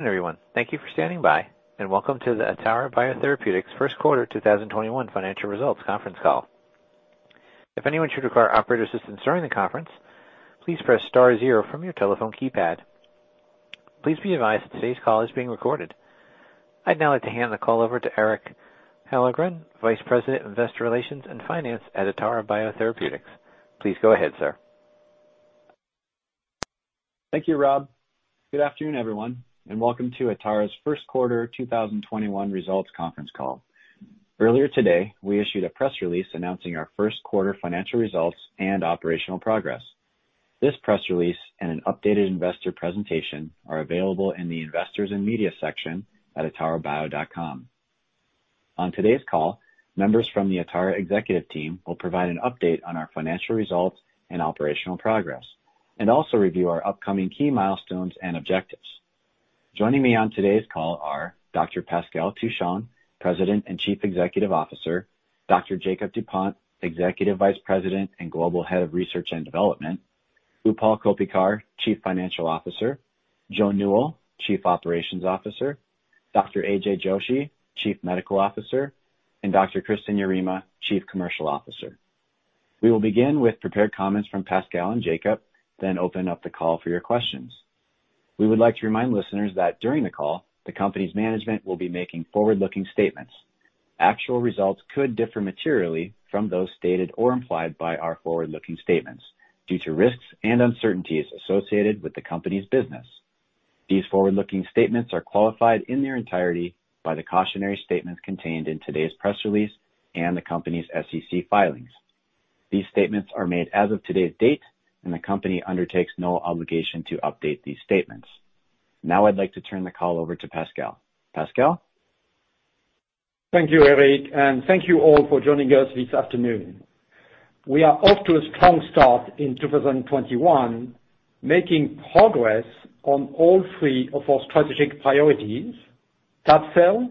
Good afternoon, everyone. Thank you for standing by, and welcome to the Atara Biotherapeutics First Quarter 2021 Financial Results Conference Call. If anyone should require operator assistance during the conference, please press star zero from your telephone keypad. Please be advised that today's call is being recorded. I'd now like to hand the call over to Eric Hyllengren, Vice President, Investor Relations and Finance at Atara Biotherapeutics. Please go ahead, sir. Thank you, Rob. Good afternoon, everyone, and welcome to Atara's First Quarter 2021 Results Conference Call. Earlier today, we issued a press release announcing our first quarter financial results and operational progress. This press release and an updated investor presentation are available in the Investors and Media section at atarabio.com. On today's call, members from the Atara executive team will provide an update on our financial results and operational progress, and also review our upcoming key milestones and objectives. Joining me on today's call are Dr. Pascal Touchon, President and Chief Executive Officer, Dr. Jakob Dupont, Executive Vice President and Global Head of Research and Development, Utpal Koppikar, Chief Financial Officer, Joe Newell, Chief Operations Officer, Dr. AJ Joshi, Chief Medical Officer, and Dr. Kristin Yarema, Chief Commercial Officer. We will begin with prepared comments from Pascal and Jakob, then open up the call for your questions. We would like to remind listeners that during the call, the company's management will be making forward-looking statements. Actual results could differ materially from those stated or implied by our forward-looking statements due to risks and uncertainties associated with the company's business. These forward-looking statements are qualified in their entirety by the cautionary statements contained in today's press release and the company's SEC filings. These statements are made as of today's date, and the company undertakes no obligation to update these statements. Now I'd like to turn the call over to Pascal. Pascal? Thank you, Eric, and thank you all for joining us this afternoon. We are off to a strong start in 2021, making progress on all three of our strategic priorities, tab-cel,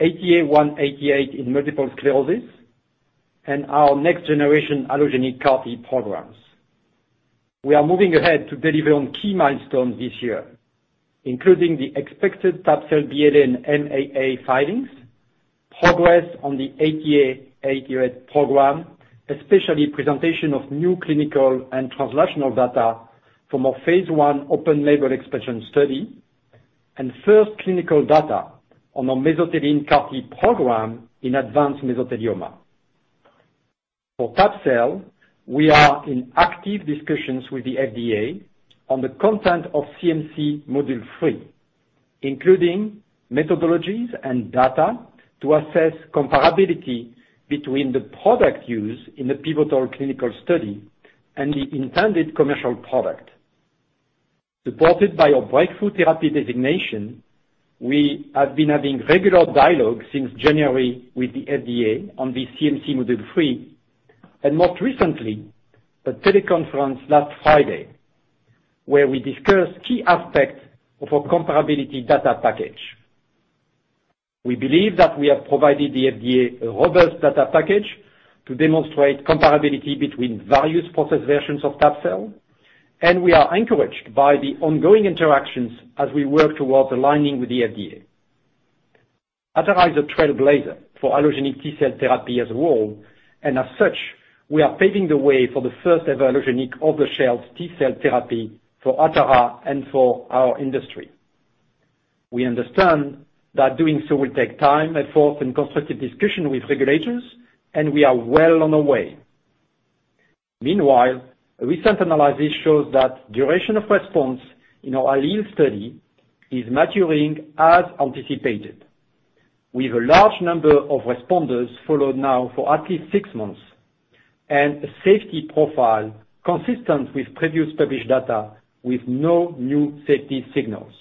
ATA188 in multiple sclerosis, and our next-generation allogeneic CAR-T programs. We are moving ahead to deliver on key milestones this year, including the expected tab-cel BLA and MAA filings, progress on the ATA188 program, especially presentation of new clinical and translational data from our phase I open-label expansion study, and first clinical data on our mesothelin CAR-T program in advanced mesothelioma. For tab-cel, we are in active discussions with the FDA on the content of CMC module three, including methodologies and data to assess comparability between the product used in the pivotal clinical study and the intended commercial product. Supported by our breakthrough therapy designation, we have been having regular dialogue since January with the FDA on the CMC module 3, and most recently, a teleconference last Friday, where we discussed key aspects of our comparability data package. We believe that we have provided the FDA a robust data package to demonstrate comparability between various process versions of tab-cel, and we are encouraged by the ongoing interactions as we work towards aligning with the FDA. Atara is a trailblazer for allogeneic T-cell therapy as a whole, and as such, we are paving the way for the first-ever allogeneic off-the-shelf T-cell therapy for Atara and for our industry. We understand that doing so will take time, effort, and constructive discussion with regulators, and we are well on our way. Meanwhile, a recent analysis shows that duration of response in our ALLELE study is maturing as anticipated. We have a large number of responders followed now for at least six months and a safety profile consistent with previous published data with no new safety signals.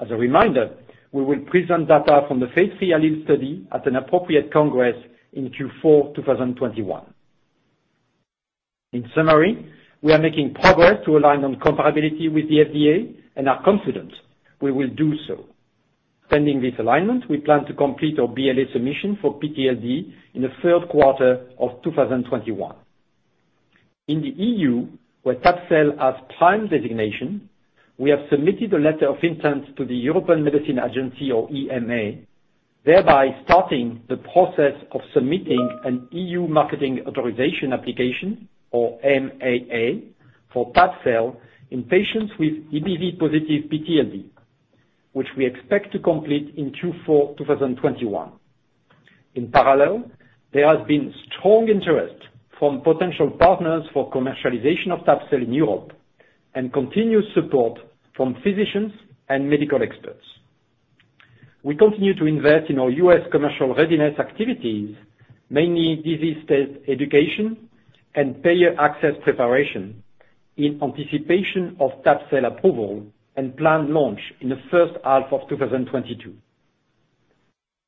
As a reminder, we will present data from the Phase III ALLELE study at an appropriate congress in Q4 2021. In summary, we are making progress to align on comparability with the FDA and are confident we will do so. Pending this alignment, we plan to complete our BLA submission for PTLD in the third quarter of 2021. In the EU, where tab-cel has PRIME designation, we have submitted a letter of intent to the European Medicines Agency or EMA, thereby starting the process of submitting an EU marketing authorization application, or MAA, for tab-cel in patients with EBV+ PTLD, which we expect to complete in Q4 2021. In parallel, there has been strong interest from potential partners for commercialization of tab-cel in Europe and continued support from physicians and medical experts. We continue to invest in our U.S. commercial readiness activities, mainly disease state education and payer access preparation, in anticipation of tab-cel approval and planned launch in the first half of 2022.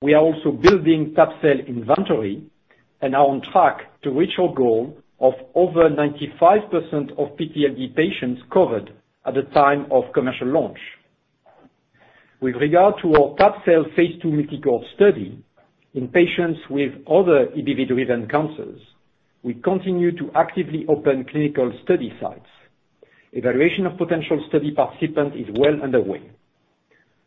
We are also building tab-cel inventory and are on track to reach our goal of over 95% of PTLD patients covered at the time of commercial launch. With regard to our tab-cel phase II multi-cohort study in patients with other EBV-driven cancers, we continue to actively open clinical study sites. Evaluation of potential study participants is well underway.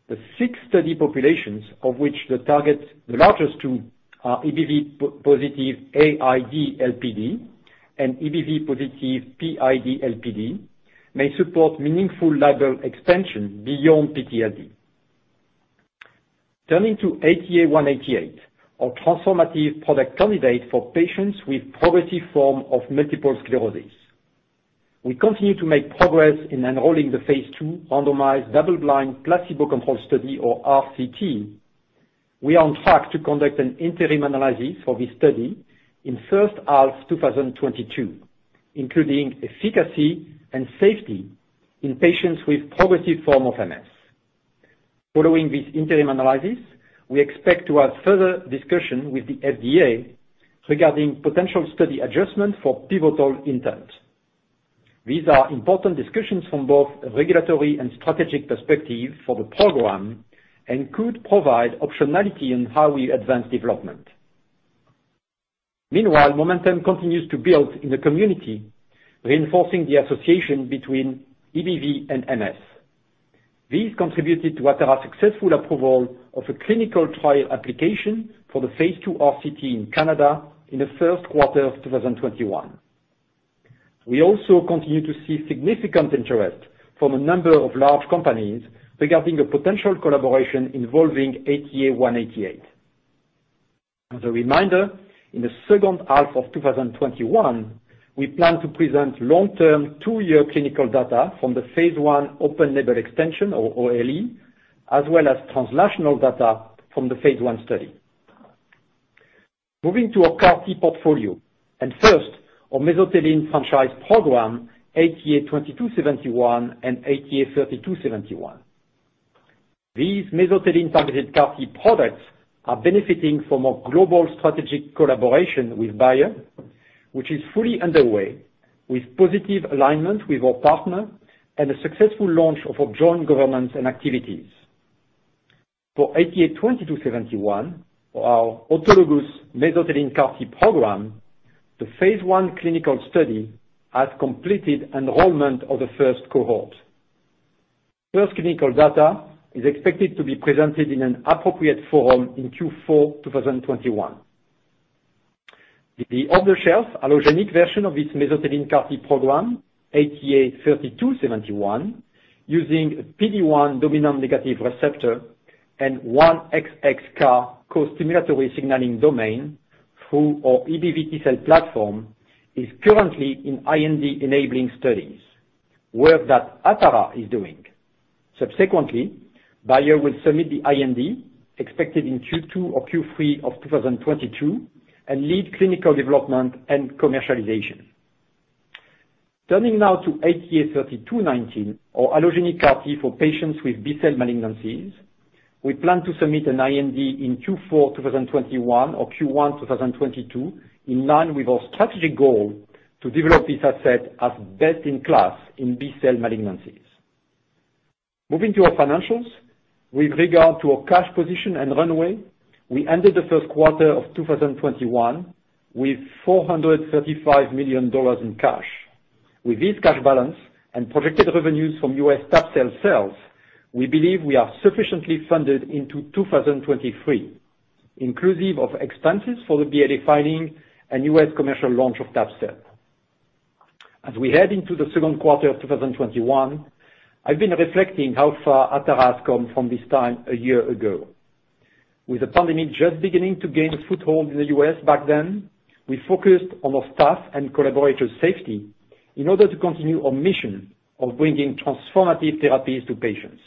The six study populations, of which the target, the largest two are EBV+ AID-LPD and EBV+ PID-LPD, may support meaningful label extension beyond PTLD. Turning to ATA188, our transformative product candidate for patients with progressive form of multiple sclerosis. We continue to make progress in enrolling the phase II randomized double-blind placebo-controlled study or RCT. We are on track to conduct an interim analysis for this study in first half 2022, including efficacy and safety in patients with progressive form of MS. Following this interim analysis, we expect to have further discussion with the FDA regarding potential study adjustment for pivotal intent. These are important discussions from both a regulatory and strategic perspective for the program and could provide optionality on how we advance development. Momentum continues to build in the community, reinforcing the association between EBV and MS. These contributed to Atara successful approval of a clinical trial application for the phase II RCT in Canada in the first quarter of 2021. We also continue to see significant interest from a number of large companies regarding a potential collaboration involving ATA188. As a reminder, in the second half of 2021, we plan to present long-term two-year clinical data from the phase I open label extension or OLE, as well as translational data from the phase I study. Moving to our CAR-T portfolio, and first, our mesothelin franchise program, ATA2271 and ATA3271. These mesothelin-targeted CAR-T products are benefiting from a global strategic collaboration with Bayer, which is fully underway with positive alignment with our partner and a successful launch of our joint governance and activities. For ATA2271, our autologous mesothelin CAR-T program, the phase I clinical study has completed enrollment of the first cohort. First clinical data is expected to be presented in an appropriate forum in Q4 2021. The off-the-shelf allogeneic version of this mesothelin CAR-T program, ATA3271, using a PD-1 Dominant Negative Receptor and 1XX CAR costimulatory signaling domain through our EBV cell platform, is currently in IND-enabling studies, work that Atara is doing. Subsequently, Bayer will submit the IND expected in Q2 or Q3 of 2022 and lead clinical development and commercialization. Turning now to ATA3219, our allogeneic CAR-T for patients with B-cell malignancies. We plan to submit an IND in Q4 2021 or Q1 2022 in line with our strategic goal to develop this asset as best-in-class in B-cell malignancies. Moving to our financials, with regard to our cash position and runway, we ended the first quarter of 2021 with $435 million in cash. With this cash balance and projected revenues from U.S. tab-cel sales, we believe we are sufficiently funded into 2023, inclusive of expenses for the BLA filing and U.S. commercial launch of tab-cel. As we head into the second quarter of 2021, I've been reflecting how far Atara has come from this time a year ago. With the pandemic just beginning to gain foothold in the U.S. back then, we focused on our staff and collaborators' safety in order to continue our mission of bringing transformative therapies to patients.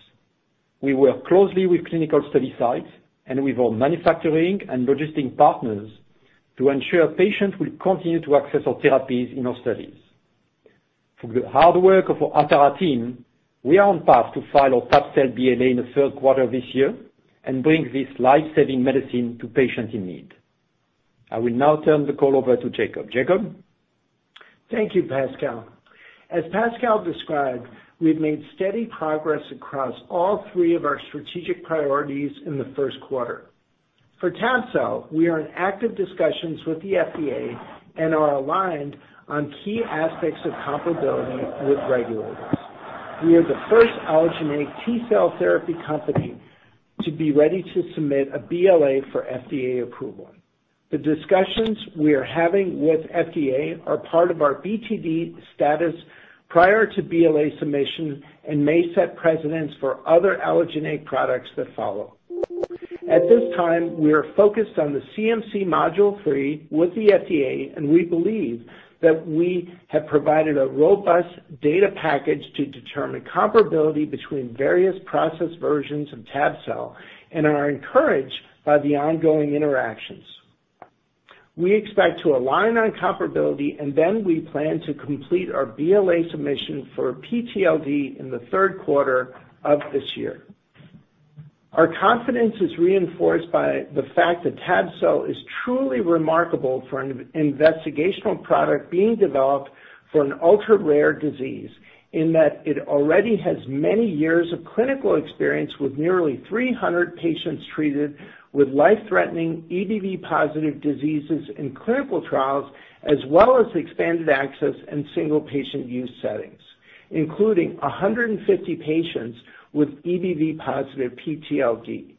We work closely with clinical study sites and with our manufacturing and logistics partners to ensure patients will continue to access our therapies in our studies. Through the hard work of our Atara team, we are on path to file our tab-cel BLA in the third quarter of this year and bring this life-saving medicine to patients in need. I will now turn the call over to Jakob. Jakob? Thank you, Pascal. As Pascal described, we have made steady progress across all three of our strategic priorities in the first quarter. For tab-cel, we are in active discussions with the FDA and are aligned on key aspects of comparability with regulators. We are the first allogeneic T-cell therapy company to be ready to submit a BLA for FDA approval. The discussions we are having with FDA are part of our BTD status prior to BLA submission and may set precedents for other allogeneic products that follow. At this time, we are focused on the CMC module three with the FDA, and we believe that we have provided a robust data package to determine comparability between various process versions of tab-cel and are encouraged by the ongoing interactions. We expect to align on comparability and then we plan to complete our BLA submission for PTLD in the third quarter of this year. Our confidence is reinforced by the fact that tab-cel is truly remarkable for an investigational product being developed for an ultra-rare disease, in that it already has many years of clinical experience with nearly 300 patients treated with life-threatening EBV positive diseases in clinical trials, as well as expanded access in single-patient use settings, including 150 patients with EBV positive PTLD.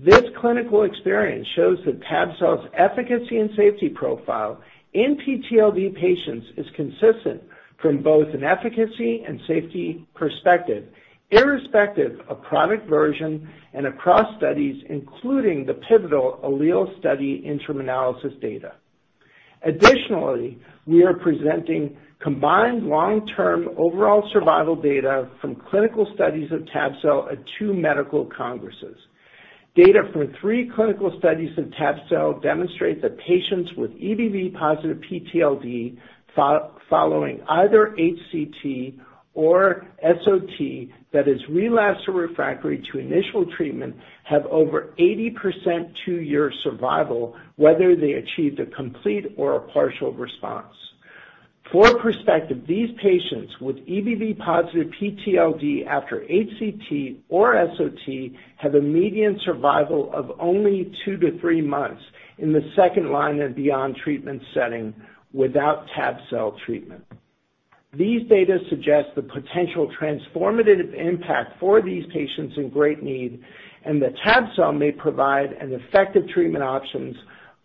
This clinical experience shows that tab-cel's efficacy and safety profile in PTLD patients is consistent from both an efficacy and safety perspective, irrespective of product version and across studies, including the pivotal ALLELE study interim analysis data. We are presenting combined long-term overall survival data from clinical studies of tab-cel at two medical congresses. Data from three clinical studies of tab-cel demonstrate that patients with EBV+ PTLD following either HCT or SOT that is relapsed or refractory to initial treatment have over 80% two-year survival, whether they achieved a complete or a partial response. For perspective, these patients with EBV+ PTLD after HCT or SOT have a median survival of only two to three months in the second line and beyond treatment setting without tab-cel treatment. These data suggest the potential transformative impact for these patients in great need, and that tab-cel may provide an effective treatment options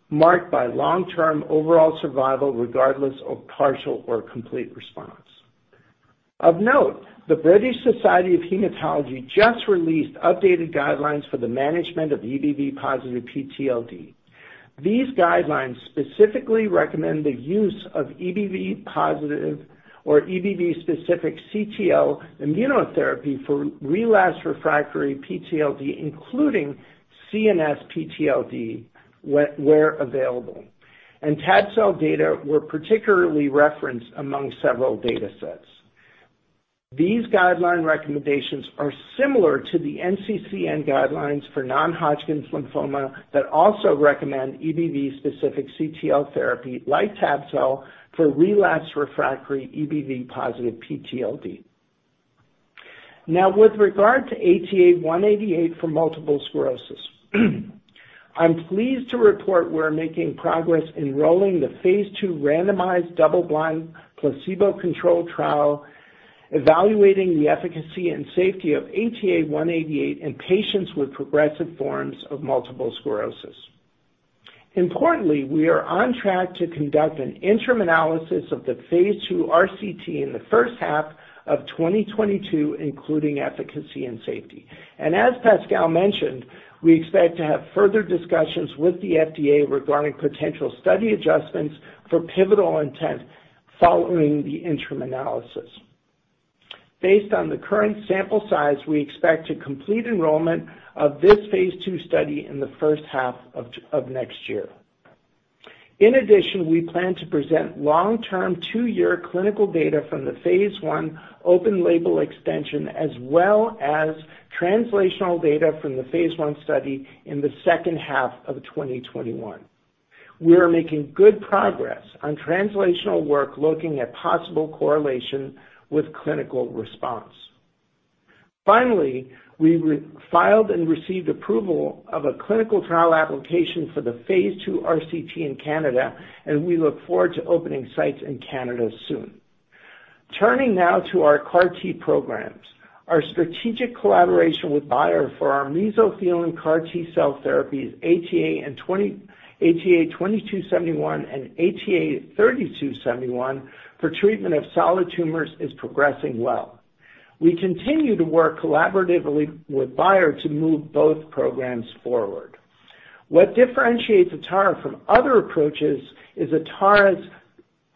marked by long-term overall survival, regardless of partial or complete response. Of note, the British Society of Haematology just released updated guidelines for the management of EBV+ PTLD. These guidelines specifically recommend the use of EBV+ or EBV specific CTL immunotherapy for relapsed refractory PTLD, including CNS PTLD, where available. Tab-cel data were particularly referenced among several datasets. These guideline recommendations are similar to the NCCN guidelines for non-Hodgkin's lymphoma that also recommend EBV specific CTL therapy like tab-cel for relapsed refractory EBV+ PTLD. Now, with regard to ATA 188 for multiple sclerosis, I am pleased to report we are making progress enrolling the phase II randomized double-blind placebo-controlled trial evaluating the efficacy and safety of ATA 188 in patients with progressive forms of multiple sclerosis. Importantly, we are on track to conduct an interim analysis of the phase II RCT in the first half of 2022, including efficacy and safety. As Pascal mentioned, we expect to have further discussions with the FDA regarding potential study adjustments for pivotal intent following the interim analysis. Based on the current sample size, we expect to complete enrollment of this phase II study in the first half of next year. In addition, we plan to present long-term two-year clinical data from the phase I open label extension, as well as translational data from the phase I study in the second half of 2021. We are making good progress on translational work looking at possible correlation with clinical response. Finally, we filed and received approval of a clinical trial application for the phase II RCT in Canada, and we look forward to opening sites in Canada soon. Turning now to our CAR-T programs, our strategic collaboration with Bayer for our mesothelin CAR T-cell therapies, ATA2271 and ATA3271 for treatment of solid tumors is progressing well. We continue to work collaboratively with Bayer to move both programs forward. What differentiates Atara from other approaches is Atara's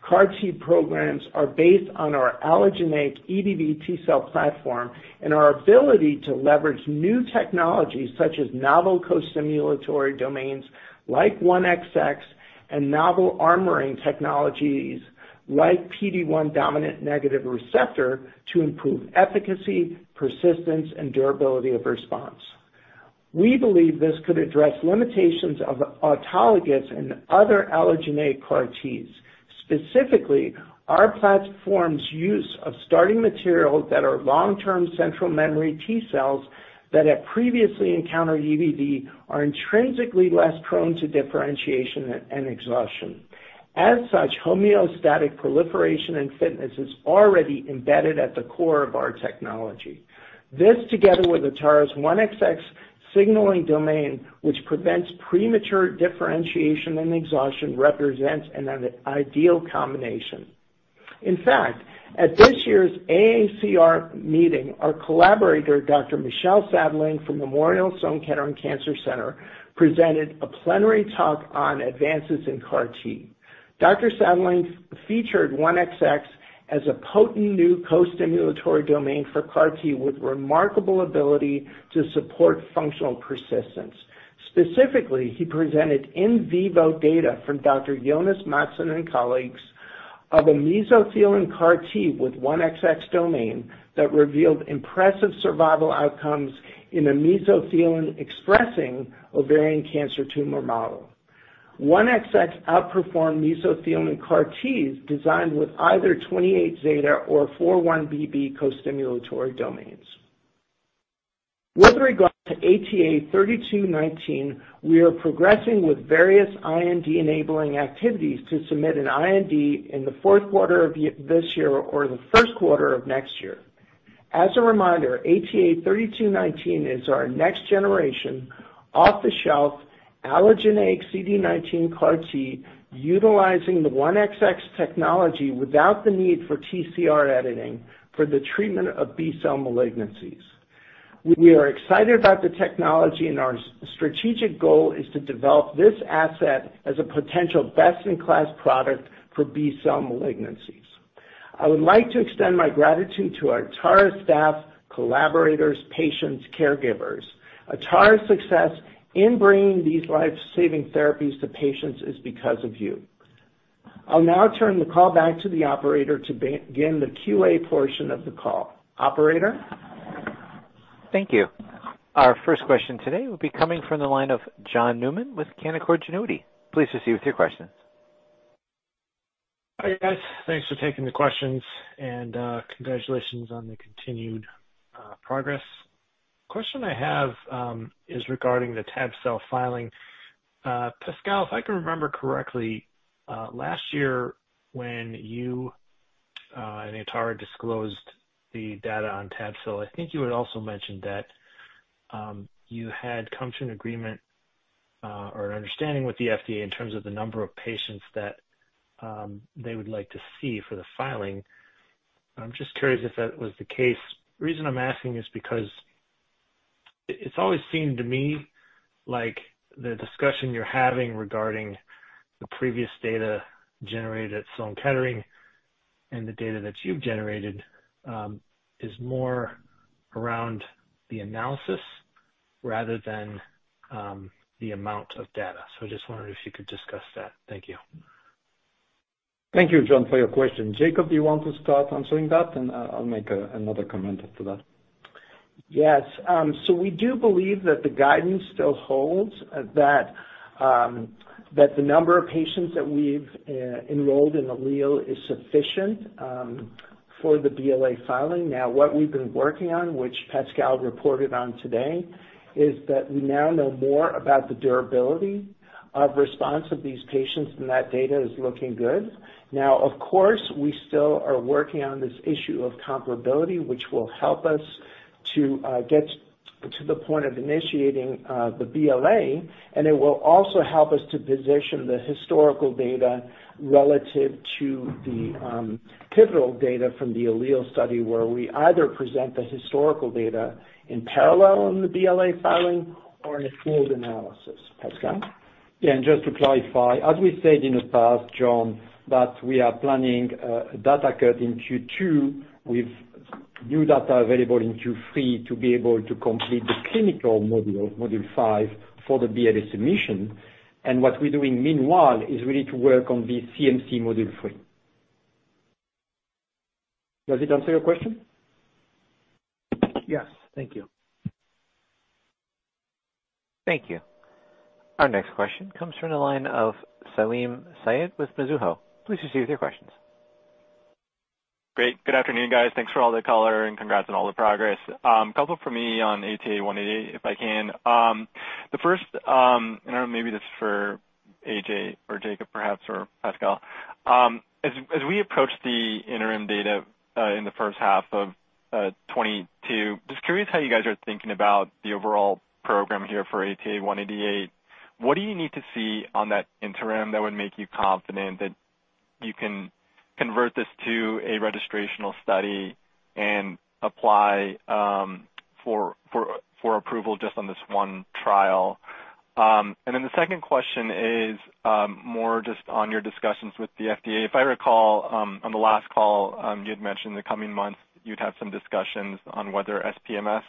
CAR-T programs are based on our allogeneic EBV T-cell platform and our ability to leverage new technologies such as novel costimulatory domains like 1XX, and novel armoring technologies like PD-1 dominant negative receptor to improve efficacy, persistence, and durability of response. We believe this could address limitations of autologous and other allogeneic CAR-Ts. Specifically, our platform's use of starting materials that are long-term central memory T cells that have previously encountered EBV are intrinsically less prone to differentiation and exhaustion. As such, homeostatic proliferation and fitness is already embedded at the core of our technology. This, together with Atara's 1XX signaling domain, which prevents premature differentiation and exhaustion, represents an ideal combination. In fact, at this year's AACR meeting, our collaborator, Dr. Michel Sadelain from Memorial Sloan Kettering Cancer Center, presented a plenary talk on advances in CAR-T. Dr. Sadelain featured 1XX as a potent new costimulatory domain for CAR-T with remarkable ability to support functional persistence. Specifically, he presented in vivo data from Dr. Jonas Madsen and colleagues of a mesothelin CAR-T with 1XX domain that revealed impressive survival outcomes in a mesothelin-expressing ovarian cancer tumor model. 1XX outperformed mesothelin CAR-Ts designed with either CD28 Zeta or 4-1BB costimulatory domains. With regard to ATA3219, we are progressing with various IND enabling activities to submit an IND in the fourth quarter of this year or the first quarter of next year. As a reminder, ATA3219 is our next generation, off-the-shelf allogeneic CD19 CAR-T utilizing the 1XX technology without the need for TCR editing for the treatment of B-cell malignancies. We are excited about the technology, and our strategic goal is to develop this asset as a potential best-in-class product for B-cell malignancies. I would like to extend my gratitude to our Atara staff, collaborators, patients, caregivers. Atara's success in bringing these life-saving therapies to patients is because of you. I will now turn the call back to the operator to begin the QA portion of the call. Operator? Thank you. Our first question today will be coming from the line of John Newman with Canaccord Genuity. Please proceed with your question. Hi, guys, thanks for taking the questions, and congratulations on the continued progress. A question I have is regarding the tab-cel filing. Pascal, if I can remember correctly, last year when you and Atara disclosed the data on tab-cel, I think you had also mentioned that you had come to an agreement or an understanding with the FDA in terms of the number of patients that they would like to see for the filing. I'm just curious if that was the case. The reason I'm asking is because it's always seemed to me like the discussion you're having regarding the previous data generated at Sloan Kettering and the data that you've generated, is more around the analysis rather than the amount of data. I just wondered if you could discuss that. Thank you. Thank you, John, for your question. Jakob, do you want to start answering that, and I'll make another comment after that? Yes. We do believe that the guidance still holds, that the number of patients that we've enrolled in ALLELE is sufficient for the BLA filing. What we've been working on, which Pascal reported on today, is that we now know more about the durability of response of these patients, and that data is looking good. Now, of course, we still are working on this issue of comparability, which will help us to get to the point of initiating the BLA, and it will also help us to position the historical data relative to the pivotal data from the ALLELE study, where we either present the historical data in parallel in the BLA filing or in a pooled analysis. Pascal? Yeah, just to clarify, as we said in the past, John, that we are planning a data cut in Q2 with new data available in Q3 to be able to complete the clinical module, module 5, for the BLA submission. What we're doing meanwhile is really to work on the CMC module 3. Does it answer your question? Yes. Thank you. Thank you. Our next question comes from the line of Salim Syed with Mizuho. Please proceed with your questions. Great, good afternoon, guys. Thanks for all the color and congrats on all the progress. A couple from me on ATA188, if I can. The first, maybe this is for AJ or Jakob perhaps, or Pascal. As we approach the interim data in the first half of 2022, I'm just curious how you guys are thinking about the overall program here for ATA188. What do you need to see on that interim that would make you confident that you can convert this to a registrational study and apply for approval just on this one trial? Then the second question is more just on your discussions with the FDA. If I recall, on the last call, you had mentioned in the coming months you'd have some discussions on whether SPMS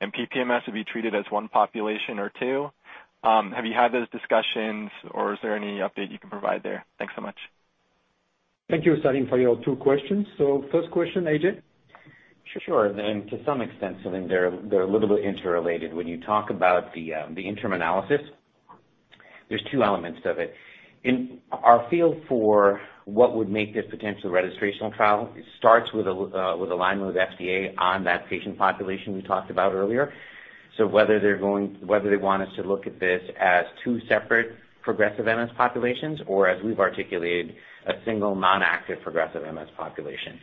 and PPMS would be treated as one population or two. Have you had those discussions, or is there any update you can provide there? Thanks so much. Thank you, Salim, for your two questions, so first question, AJ? Sure, and then to some extent, Salim, they're a little bit interrelated. When you talk about the interim analysis, there's two elements of it. In our field for what would make this potential registrational trial, it starts with alignment with FDA on that patient population we talked about earlier. Whether they want us to look at this as two separate progressive MS populations or, as we've articulated, a single non-active progressive MS population,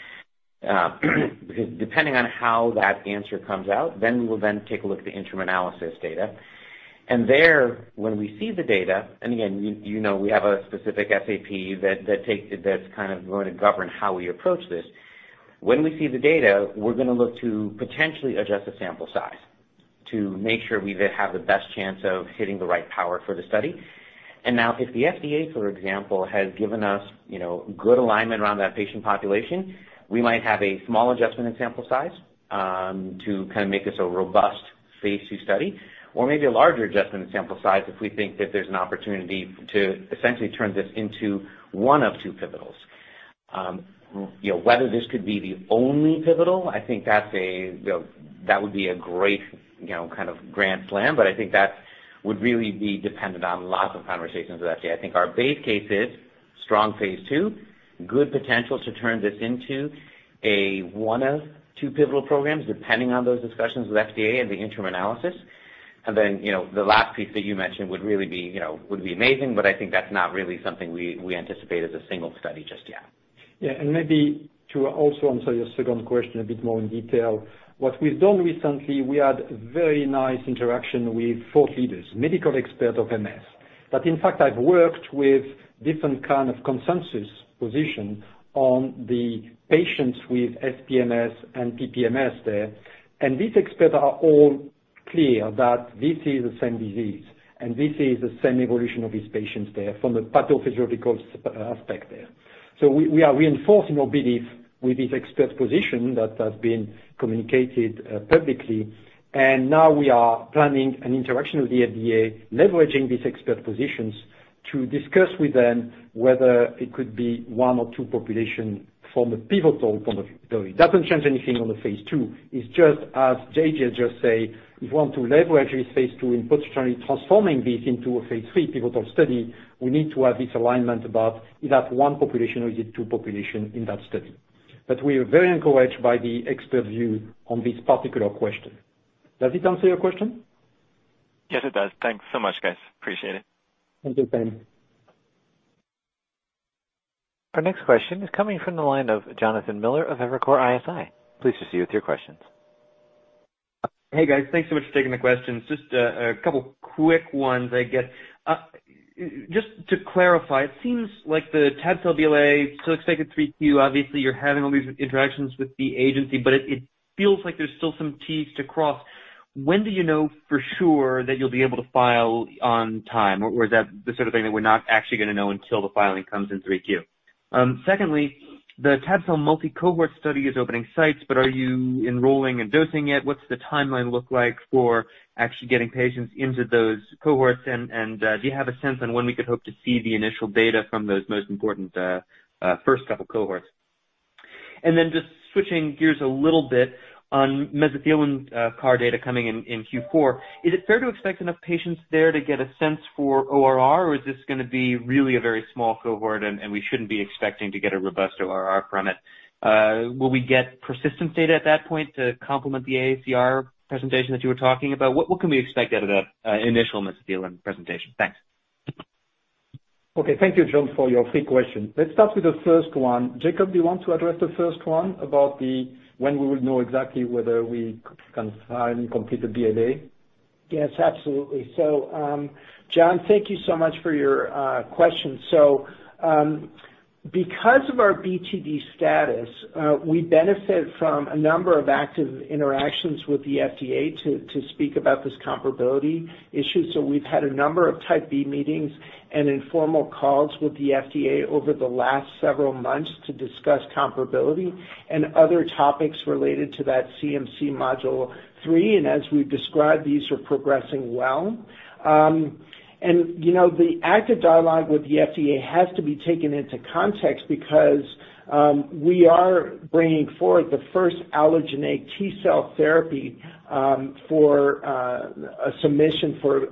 because depending on how that answer comes out, we will then take a look at the interim analysis data. There, when we see the data, again, you know, we have a specific SAP that's going to govern how we approach this. When we see the data, we're going to look to potentially adjust the sample size to make sure we have the best chance of hitting the right power for the study. Now, if the FDA, for example, has given us good alignment around that patient population, we might have a small adjustment in sample size to make this a robust phase III study or maybe a larger adjustment in sample size if we think that there's an opportunity to essentially turn this into one of two pivotals. Whether this could be the only pivotal, I think that would be a great kind of grand plan, but I think that would really be dependent on lots of conversations with FDA. I think our base case is strong phase II, good potential to turn this into a one of two pivotal programs, depending on those discussions with FDA and the interim analysis. You know, the last piece that you mentioned would really be, you know, would be amazing, but I think that's not really something we anticipate as a single study just yet. Yeah, and maybe to also answer your second question a bit more in detail. What we've done recently, we had very nice interaction with thought leaders, medical expert of MS. That in fact, I've worked with different kind of consensus position on the patients with SPMS and PPMS there. These experts are all clear, that this is the same disease, and this is the same evolution of these patients there from a pathophysiological aspect there. We are reinforcing our belief with this expert position that has been communicated publicly, and now we are planning an interaction with the FDA, leveraging these expert positions to discuss with them whether it could be one or two population from a pivotal point of view. It doesn't change anything on the phase II. It's just as AJ just say, we want to leverage this phase II in potentially transforming this into a phase III pivotal study. We need to have this alignment about is that one population or is it two population in that study? We are very encouraged by the expert view on this particular question. Does it answer your question? Yes, it does. Thanks so much, guys, appreciate it. Thank you, Salim. Our next question is coming from the line of Jonathan Miller of Evercore ISI. Please proceed with your questions. Hey, guys, thanks so much for taking the questions. Just a couple quick ones, I guess, just to clarify, it seems like the tab-cel BLA still expected 3Q, obviously, you're having all these interactions with the agency, but it feels like there's still some Ts to cross. When do you know for sure that you'll be able to file on time? Is that the sort of thing that we're not actually going to know until the filing comes in 3Q? Secondly, the tab-cel multi-cohort study is opening sites, but are you enrolling and dosing yet? What's the timeline look like for actually getting patients into those cohorts? Do you have a sense on when we could hope to see the initial data from those most important first couple cohorts? Then just switching gears a little bit on mesothelin CAR data coming in Q4, is it fair to expect enough patients there to get a sense for ORR, or is this going to be really a very small cohort and we shouldn't be expecting to get a robust ORR from it? Will we get persistence data at that point to complement the AACR presentation that you were talking about? What can we expect out of that initial mesothelin presentation? Thanks. Okay. Thank you, John, for your three question. Let's start with the first one. Jakob, do you want to address the first one about the when we will know exactly whether we can file and complete the BLA? Yes, absolutely. John, thank you so much for your question, so because of our BTD status, we benefit from a number of active interactions with the FDA to speak about this comparability issue. We've had a number of Type B meetings and informal calls with the FDA over the last several months to discuss comparability and other topics related to that CMC Module 3. As we've described, these are progressing well. The active dialogue with the FDA has to be taken into context because we are bringing forward the first allogeneic T-cell therapy for a submission for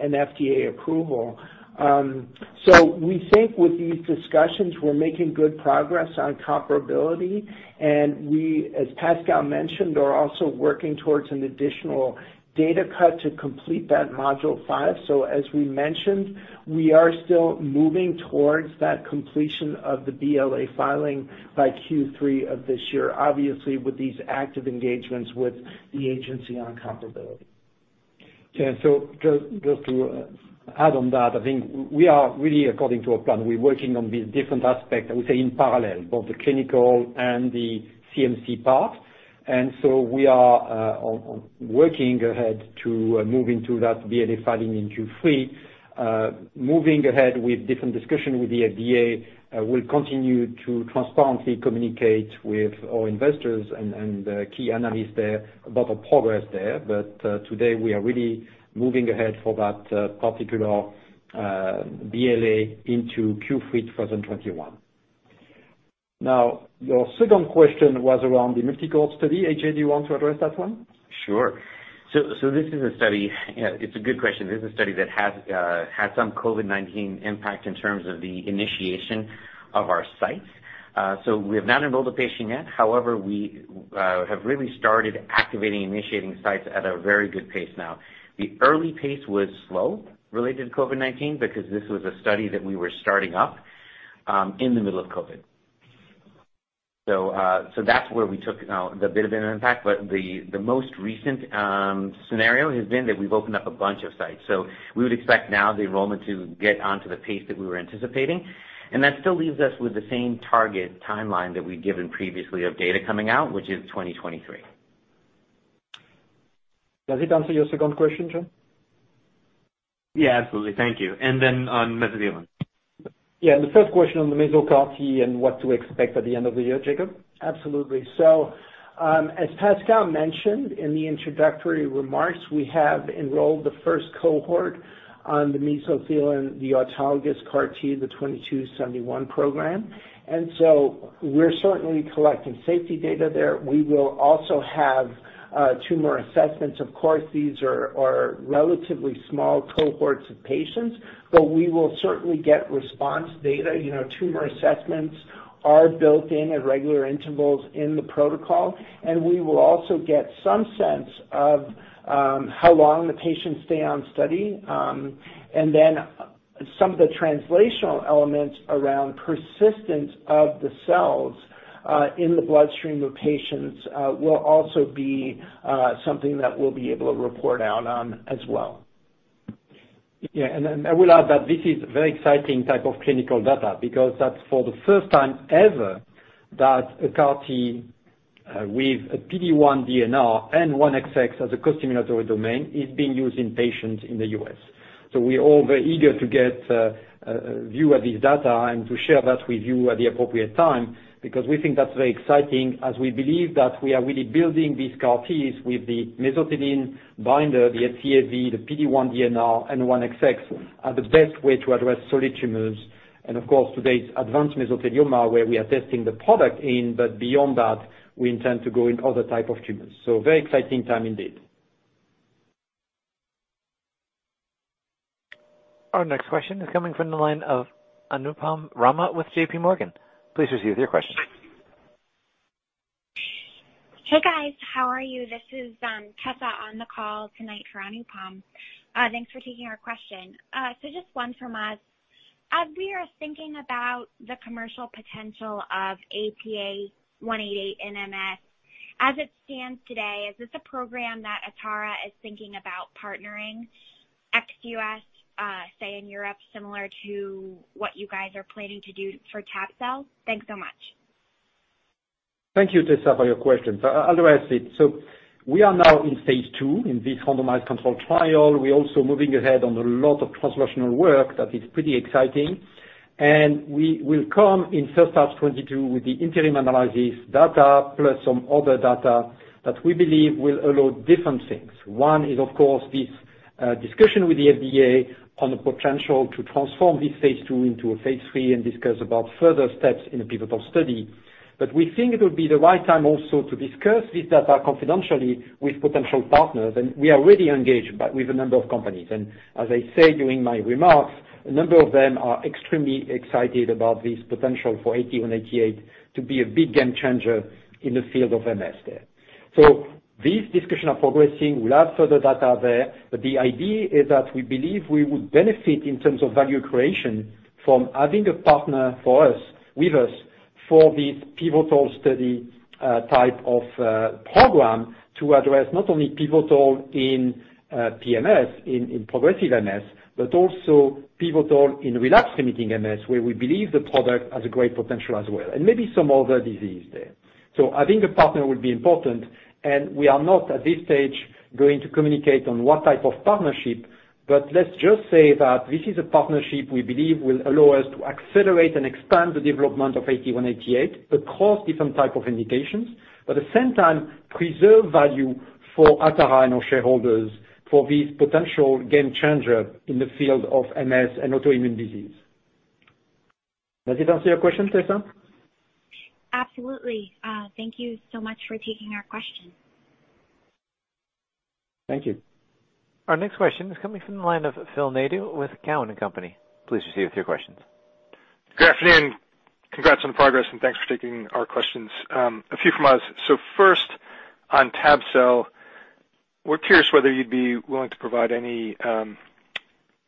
an FDA approval. We think with these discussions, we're making good progress on comparability. We, as Pascal mentioned, are also working towards an additional data cut to complete that module 5. As we mentioned, we are still moving towards that completion of the BLA filing by Q3 of this year, obviously, with these active engagements with the agency on comparability. Yeah, and just to add on that, I think we are really according to our plan. We're working on these different aspects, I would say in parallel, both the clinical and the CMC part. We are working ahead to move into that BLA filing in Q3. Moving ahead with different discussion with the FDA, we'll continue to transparently communicate with our investors, and the key analysts there about our progress there. Today we are really moving ahead for that particular BLA into Q3 2021. Your second question was around the multi-cohort study. AJ, do you want to address that one? Sure. This is a study, it's a good question. This is a study that had some COVID-19 impact in terms of the initiation of our sites. We have not enrolled a patient yet. However, we have really started activating initiating sites at a very good pace now. The early pace was slow related to COVID-19 because this was a study that we were starting up in the middle of COVID. That's where we took now the bit of an impact, but the most recent scenario has been that we've opened up a bunch of sites. We would expect now the enrollment to get onto the pace that we were anticipating, and that still leaves us with the same target timeline that we'd given previously of data coming out, which is 2023. Does it answer your second question, John? Yeah, absolutely, thank you, and then on mesothelioma. Yeah. The first question on the meso CAR-T and what to expect at the end of the year, Jakob? Absolutely. As Pascal mentioned in the introductory remarks, we have enrolled the first cohort on the mesothelioma, the autologous CAR-T, the 2271 program. We're certainly collecting safety data there. We will also have tumor assessments. Of course, these are relatively small cohorts of patients, but we will certainly get response data. You know, tumor assessments are built in at regular intervals in the protocol, and we will also get some sense of how long the patients stay on study. Then, some of the translational elements around persistence of the cells, in the bloodstream of patients, will also be something that we'll be able to report out on as well. Yeah. I will add that this is very exciting type of clinical data because that's for the first time ever that a CAR-T with a PD-1 DNR and 1XX as a costimulatory domain is being used in patients in the U.S. We're all very eager to get a view of this data and to share that with you at the appropriate time, because we think that's very exciting as we believe that we are really building these CAR-Ts with the mesothelin binder, the FTAV, the PD-1 DNR and 1XX, are the best way to address solid tumors and of course today's advanced mesothelioma, where we are testing the product in. Beyond that, we intend to go in other type of tumors, so a very exciting time indeed. Our next question is coming from the line of Anupam Rama with JP Morgan. Please receive your question. Hey, guys. How are you? This is Tessa on the call tonight for Anupam. Thanks for taking our question so just one from us. As we are thinking about the commercial potential of ATA188 in MS, as it stands today, is this a program that Atara is thinking about partnering ex U.S., say in Europe, similar to what you guys are planning to do for tab-cel? Thanks so much. Thank you, Tessa, for your question. I'll address it. We are now in phase II in this randomized control trial. We're also moving ahead on a lot of translational work that is pretty exciting, and we will come in first half 2022 with the interim analysis data plus some other data that we believe will allow different things. One is, of course, this discussion with the FDA on the potential to transform this phase II into a phase III and discuss about further steps in a pivotal study. We think it'll be the right time also to discuss this data confidentially with potential partners. We are already engaged with a number of companies, and as I said during my remarks, a number of them are extremely excited about this potential for ATA188 to be a big game changer in the field of MS there. This discussion are progressing. We'll have further data there, but the idea is that we believe we would benefit in terms of value creation from having a partner for us, with us for this pivotal study type of program to address not only pivotal in PMS, in progressive MS, but also pivotal in relapsing MS, where we believe the product has a great potential as well, and maybe some other disease there, so I think a partner will be important, and we are not, at this stage, going to communicate on what type of partnership, but let's just say that this is a partnership we believe will allow us to accelerate and expand the development of ATA188 across different type of indications, but at the same time preserve value for Atara and our shareholders for this potential game changer in the field of MS and autoimmune disease. Does it answer your question, Tessa? Absolutely, thank you so much for taking our question. Thank you. Our next question is coming from the line of Phil Nadeau with Cowen and Company. Please proceed with your questions. Good afternoon, congrats on progress, and thanks for taking our questions, a few from us. First on tab-cel, we're curious whether you'd be willing to provide any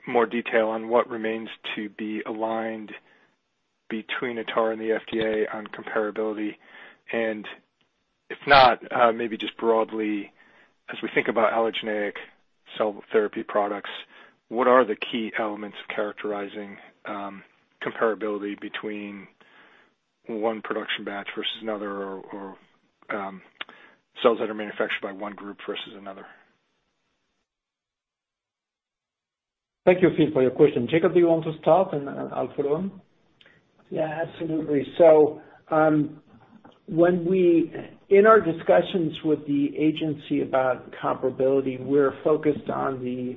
more detail on what remains to be aligned between Atara and the FDA on comparability. If not, maybe just broadly as we think about allogeneic cell therapy products, what are the key elements of characterizing comparability between one production batch versus another or cells that are manufactured by one group versus another? Thank you, Phil, for your question. Jakob, do you want to start and I'll follow on? Yeah, absolutely. In our discussions with the agency about comparability, we're focused on the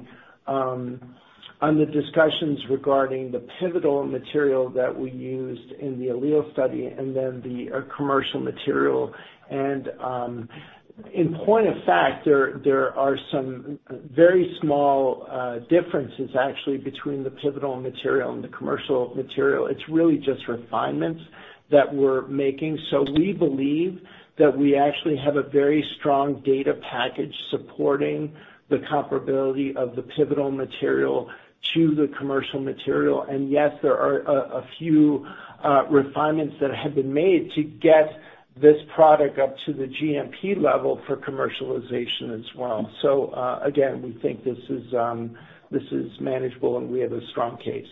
discussions regarding the pivotal material that we used in the ALLELE study and then the commercial material. In point of fact, there are some very small differences actually between the pivotal material and the commercial material. It's really just refinements that we're making. We believe that we actually have a very strong data package supporting the comparability of the pivotal material to the commercial material. Yes, there are a few refinements that have been made to get this product up to the GMP level for commercialization as well. Again, we think this is manageable and we have a strong case.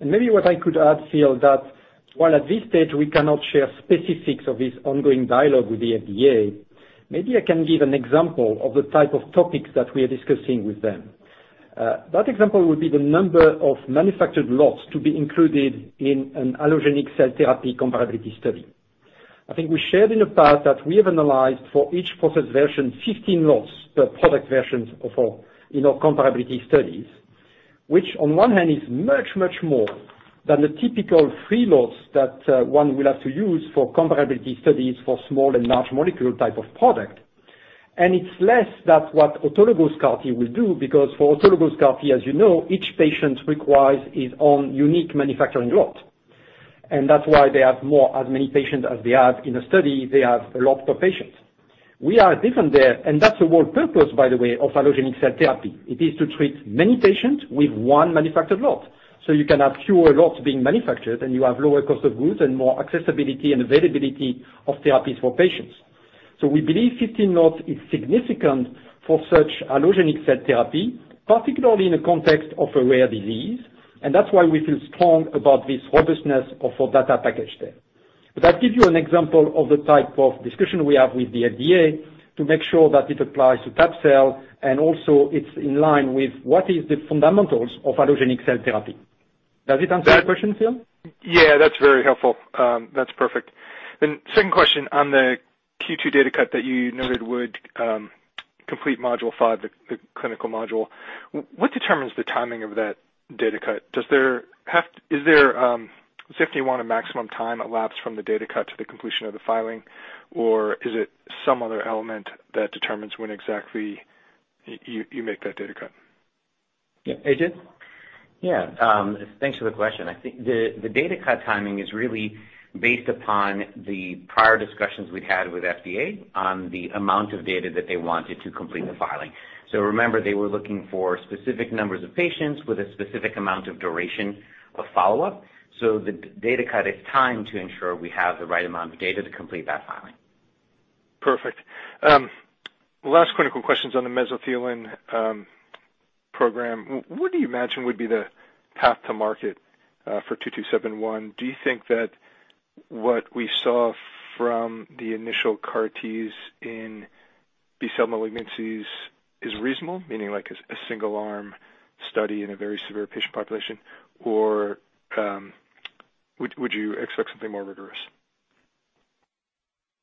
Maybe what I could add, Phil, that while at this stage we cannot share specifics of this ongoing dialogue with the FDA, maybe I can give an example of the type of topics that we are discussing with them. That example would be the number of manufactured lots to be included in an allogeneic cell therapy comparability study. I think we shared in the past that we have analyzed for each process version 15 lots per product versions in our comparability studies, which on one hand is much, much more than the typical three lots that one will have to use for comparability studies for small and large molecule type of product. It's less than what autologous CAR-T will do, because for autologous CAR-T, as you know, each patient requires his own unique manufacturing lot. That's why they have more, as many patients as they have in a study, they have a lot per patient. We are different there, that's the whole purpose, by the way, of allogeneic cell therapy. It is to treat many patients with one manufactured lot. You can have fewer lots being manufactured and you have lower cost of goods and more accessibility and availability of therapies for patients. We believe 15 lots is significant for such allogeneic cell therapy, particularly in the context of a rare disease, that's why we feel strong about this robustness of our data package there. That gives you an example of the type of discussion we have with the FDA to make sure that it applies to tab-cel and also it's in line with what is the fundamentals of allogeneic cell therapy. Does it answer your question, Phil? Yeah, that's very helpful, that's perfect. Second question on the Q2 data cut that you noted would complete module 5, the clinical module. What determines the timing of that data cut? Is there a maximum time elapsed from the data cut to the completion of the filing, or is it some other element that determines when exactly you make that data cut? AJ? Yeah and thanks for the question. I think the data cut timing is really based upon the prior discussions we've had with FDA on the amount of data that they wanted to complete the filing. Remember, they were looking for specific numbers of patients with a specific amount of duration of follow-up. The data cut is timed to ensure we have the right amount of data to complete that filing. Perfect. Last clinical questions on the mesothelioma program. What do you imagine would be the path to market for 2271? Do you think that what we saw from the initial CAR-Ts in B cell malignancies is reasonable, meaning like a single arm study in a very severe patient population, or would you expect something more rigorous?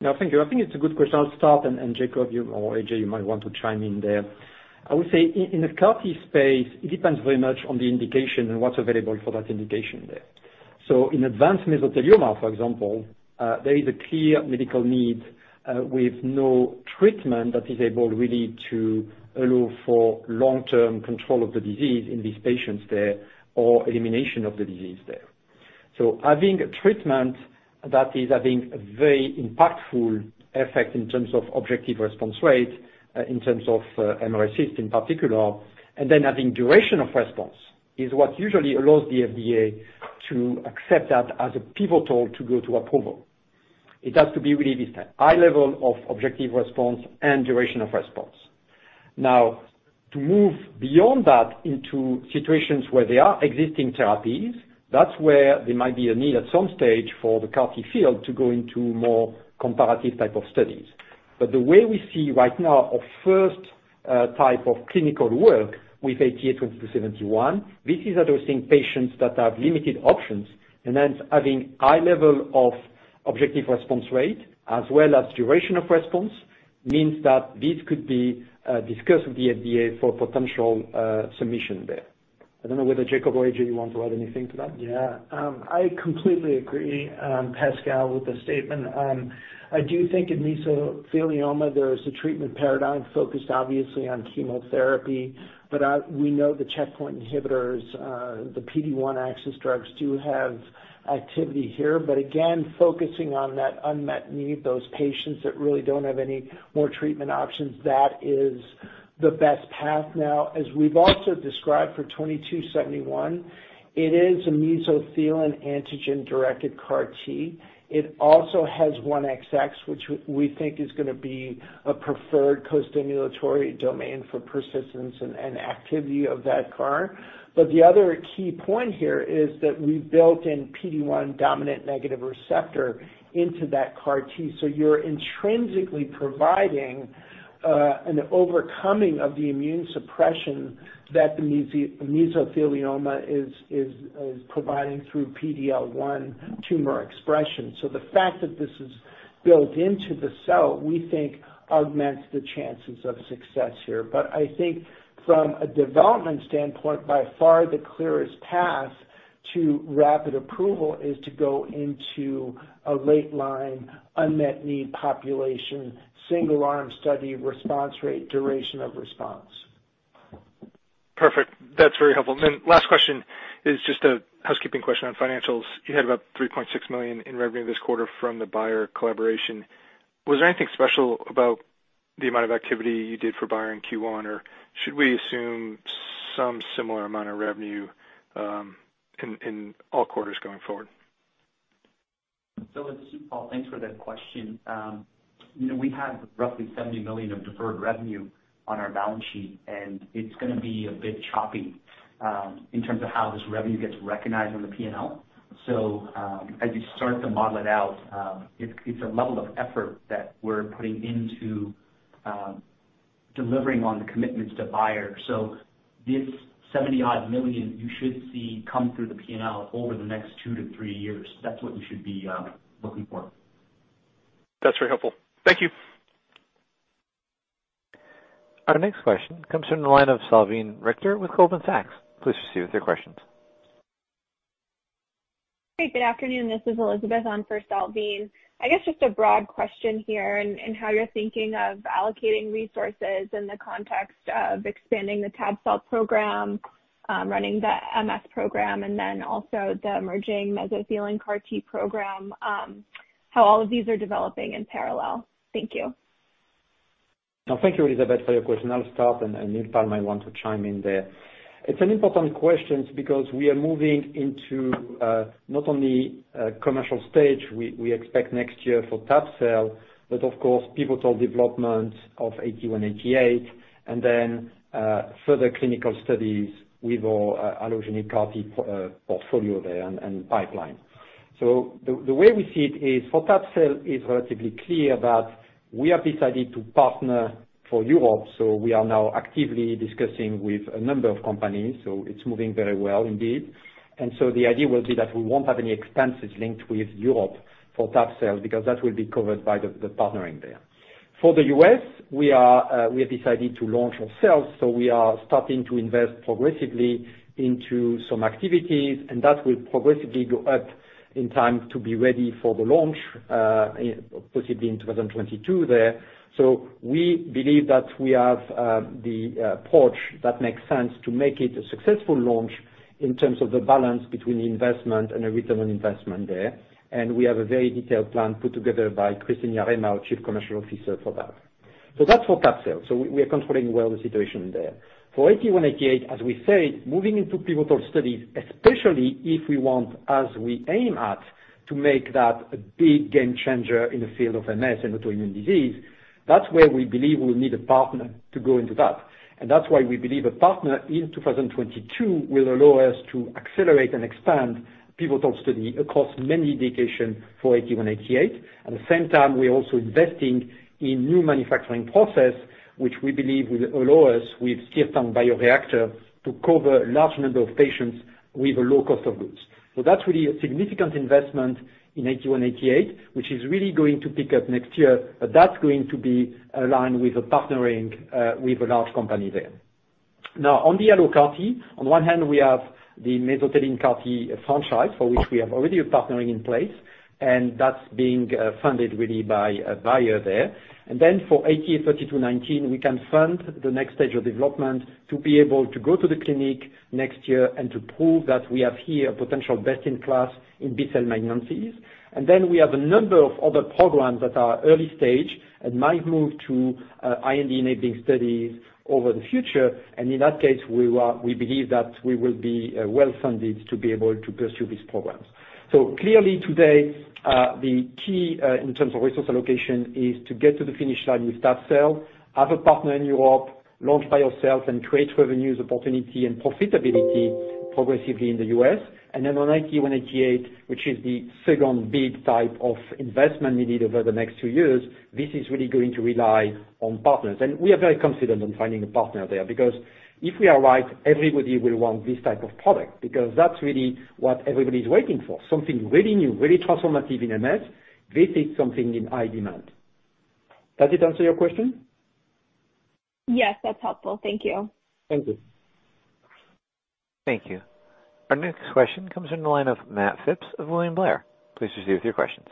No, thank you. I think it's a good question. I'll start, and Jakob or AJ, you might want to chime in there. I would say in the CAR-T space, it depends very much on the indication and what's available for that indication there. In advanced mesothelioma, for example, there is a clear medical need with no treatment that is able really to allow for long-term control of the disease in these patients there, or elimination of the disease there. Having a treatment that is having a very impactful effect in terms of objective response rate, in terms of mRECIST in particular, and then having duration of response is what usually allows the FDA to accept that as a pivotal to go to approval. It has to be really this high level of objective response and duration of response. To move beyond that into situations where there are existing therapies, that is where there might be a need at some stage for the CAR-T field to go into more comparative type of studies. The way we see right now, our first type of clinical work with ATA2271, this is addressing patients that have limited options, and then having high level of objective response rate as well as duration of response means that this could be discussed with the FDA for potential submission there. I don't know whether Jakob or AJ want to add anything to that. Yeah, I completely agree, Pascal, with the statement. I do think in mesothelioma, there is a treatment paradigm focused obviously on chemotherapy, but we know the checkpoint inhibitors, the PD-1 axis drugs do have activity here. Again, focusing on that unmet need, those patients that really don't have any more treatment options, that is the best path now. As we've also described for 2271, it is a mesothelin antigen-directed CAR-T. It also has 1XX, which we think is going to be a preferred co-stimulatory domain for persistence and activity of that CAR. The other key point here is that we built in PD-1 dominant negative receptor into that CAR-T. You're intrinsically providing an overcoming of the immune suppression that the mesothelioma is providing through PD-L1 tumor expression. The fact that this is built into the cell, we think augments the chances of success here. I think from a development standpoint, by far the clearest path to rapid approval is to go into a late line, unmet need population, single arm study, response rate, duration of response. Perfect, that's very helpful, and then last question is just a housekeeping question on financials. You had about $3.6 million in revenue this quarter from the Bayer collaboration. Was there anything special about the amount of activity you did for Bayer in Q1 or should we assume some similar amount of revenue in all quarters going forward? It's Utpal, thanks for that question. We have roughly $70 million of deferred revenue on our balance sheet, and it's going to be a bit choppy in terms of how this revenue gets recognized on the P&L. As you start to model it out, it's a level of effort that we're putting into delivering on the commitments to Bayer. This $70-odd million, you should see come through the P&L over the next two to three years. That's what you should be looking for. That's very helpful. Thank you. Our next question comes from the line of Salveen Richter with Goldman Sachs. Please proceed with your questions. Hey, good afternoon. This is Elizabeth on for Salveen. I guess just a broad question here in how you're thinking of allocating resources in the context of expanding the tab-cel program, running the MS program, and then also the emerging mesothelin CAR T program, how all of these are developing in parallel. Thank you. No, thank you, Elizabeth, for your question. I'll start, and Utpal might want to chime in there. It's an important question because we are moving into not only commercial stage, we expect next year for tab-cel, but of course pivotal development of ATA188, and then further clinical studies with our allogeneic CAR-T portfolio there and pipeline. The way we see it is, for tab-cel is relatively clear that we have decided to partner for Europe, so we are now actively discussing with a number of companies. It's moving very well indeed. The idea will be that we won't have any expenses linked with Europe for tab-cel, because that will be covered by the partnering there. For the U.S., we have decided to launch ourselves, so we are starting to invest progressively into some activities, and that will progressively go up in time to be ready for the launch, possibly in 2022 there. We believe that we have the approach that makes sense to make it a successful launch in terms of the balance between investment and a return on investment there. We have a very detailed plan put together by Kristin Yarema, our Chief Commercial Officer, for that so that's for tab-cel. We are controlling well the situation there. For ATA188, as we say, moving into pivotal studies, especially if we want, as we aim at, to make that a big game changer in the field of MS and autoimmune disease, that's where we believe we'll need a partner to go into that. That's why we believe a partner in 2022 will allow us to accelerate and expand pivotal study across many indications for ATA188. At the same time, we're also investing in new manufacturing process, which we believe will allow us with certain bioreactor to cover large number of patients with a low cost of goods. That's really a significant investment in ATA188, which is really going to pick up next year. That's going to be aligned with a partnering with a large company there. On the Allo CAR T, on one hand, we have the mesothelin CAR T franchise, for which we have already a partnering in place, and that's being funded really by Bayer there. For ATA3219, we can fund the next stage of development to be able to go to the clinic next year and to prove that we have here potential best in class in B-cell malignancies. Then, we have a number of other programs that are early stage and might move to IND-enabling studies over the future. In that case, we believe that we will be well-funded to be able to pursue these programs. Clearly today, the key, in terms of resource allocation, is to get to the finish line with tab-cel, have a partner in Europe, launch by ourselves, and create revenues opportunity and profitability progressively in the U.S. On ATA188, which is the second big type of investment we need over the next two years, this is really going to rely on partners. We are very confident on finding a partner there, because if we are right, everybody will want this type of product, because that's really what everybody's waiting for, something really new, really transformative in MS. This is something in high demand. Does it answer your question? Yes, that's helpful. Thank you. Thank you. Thank you. Our next question comes from the line of Matt Phipps of William Blair. Please proceed with your questions.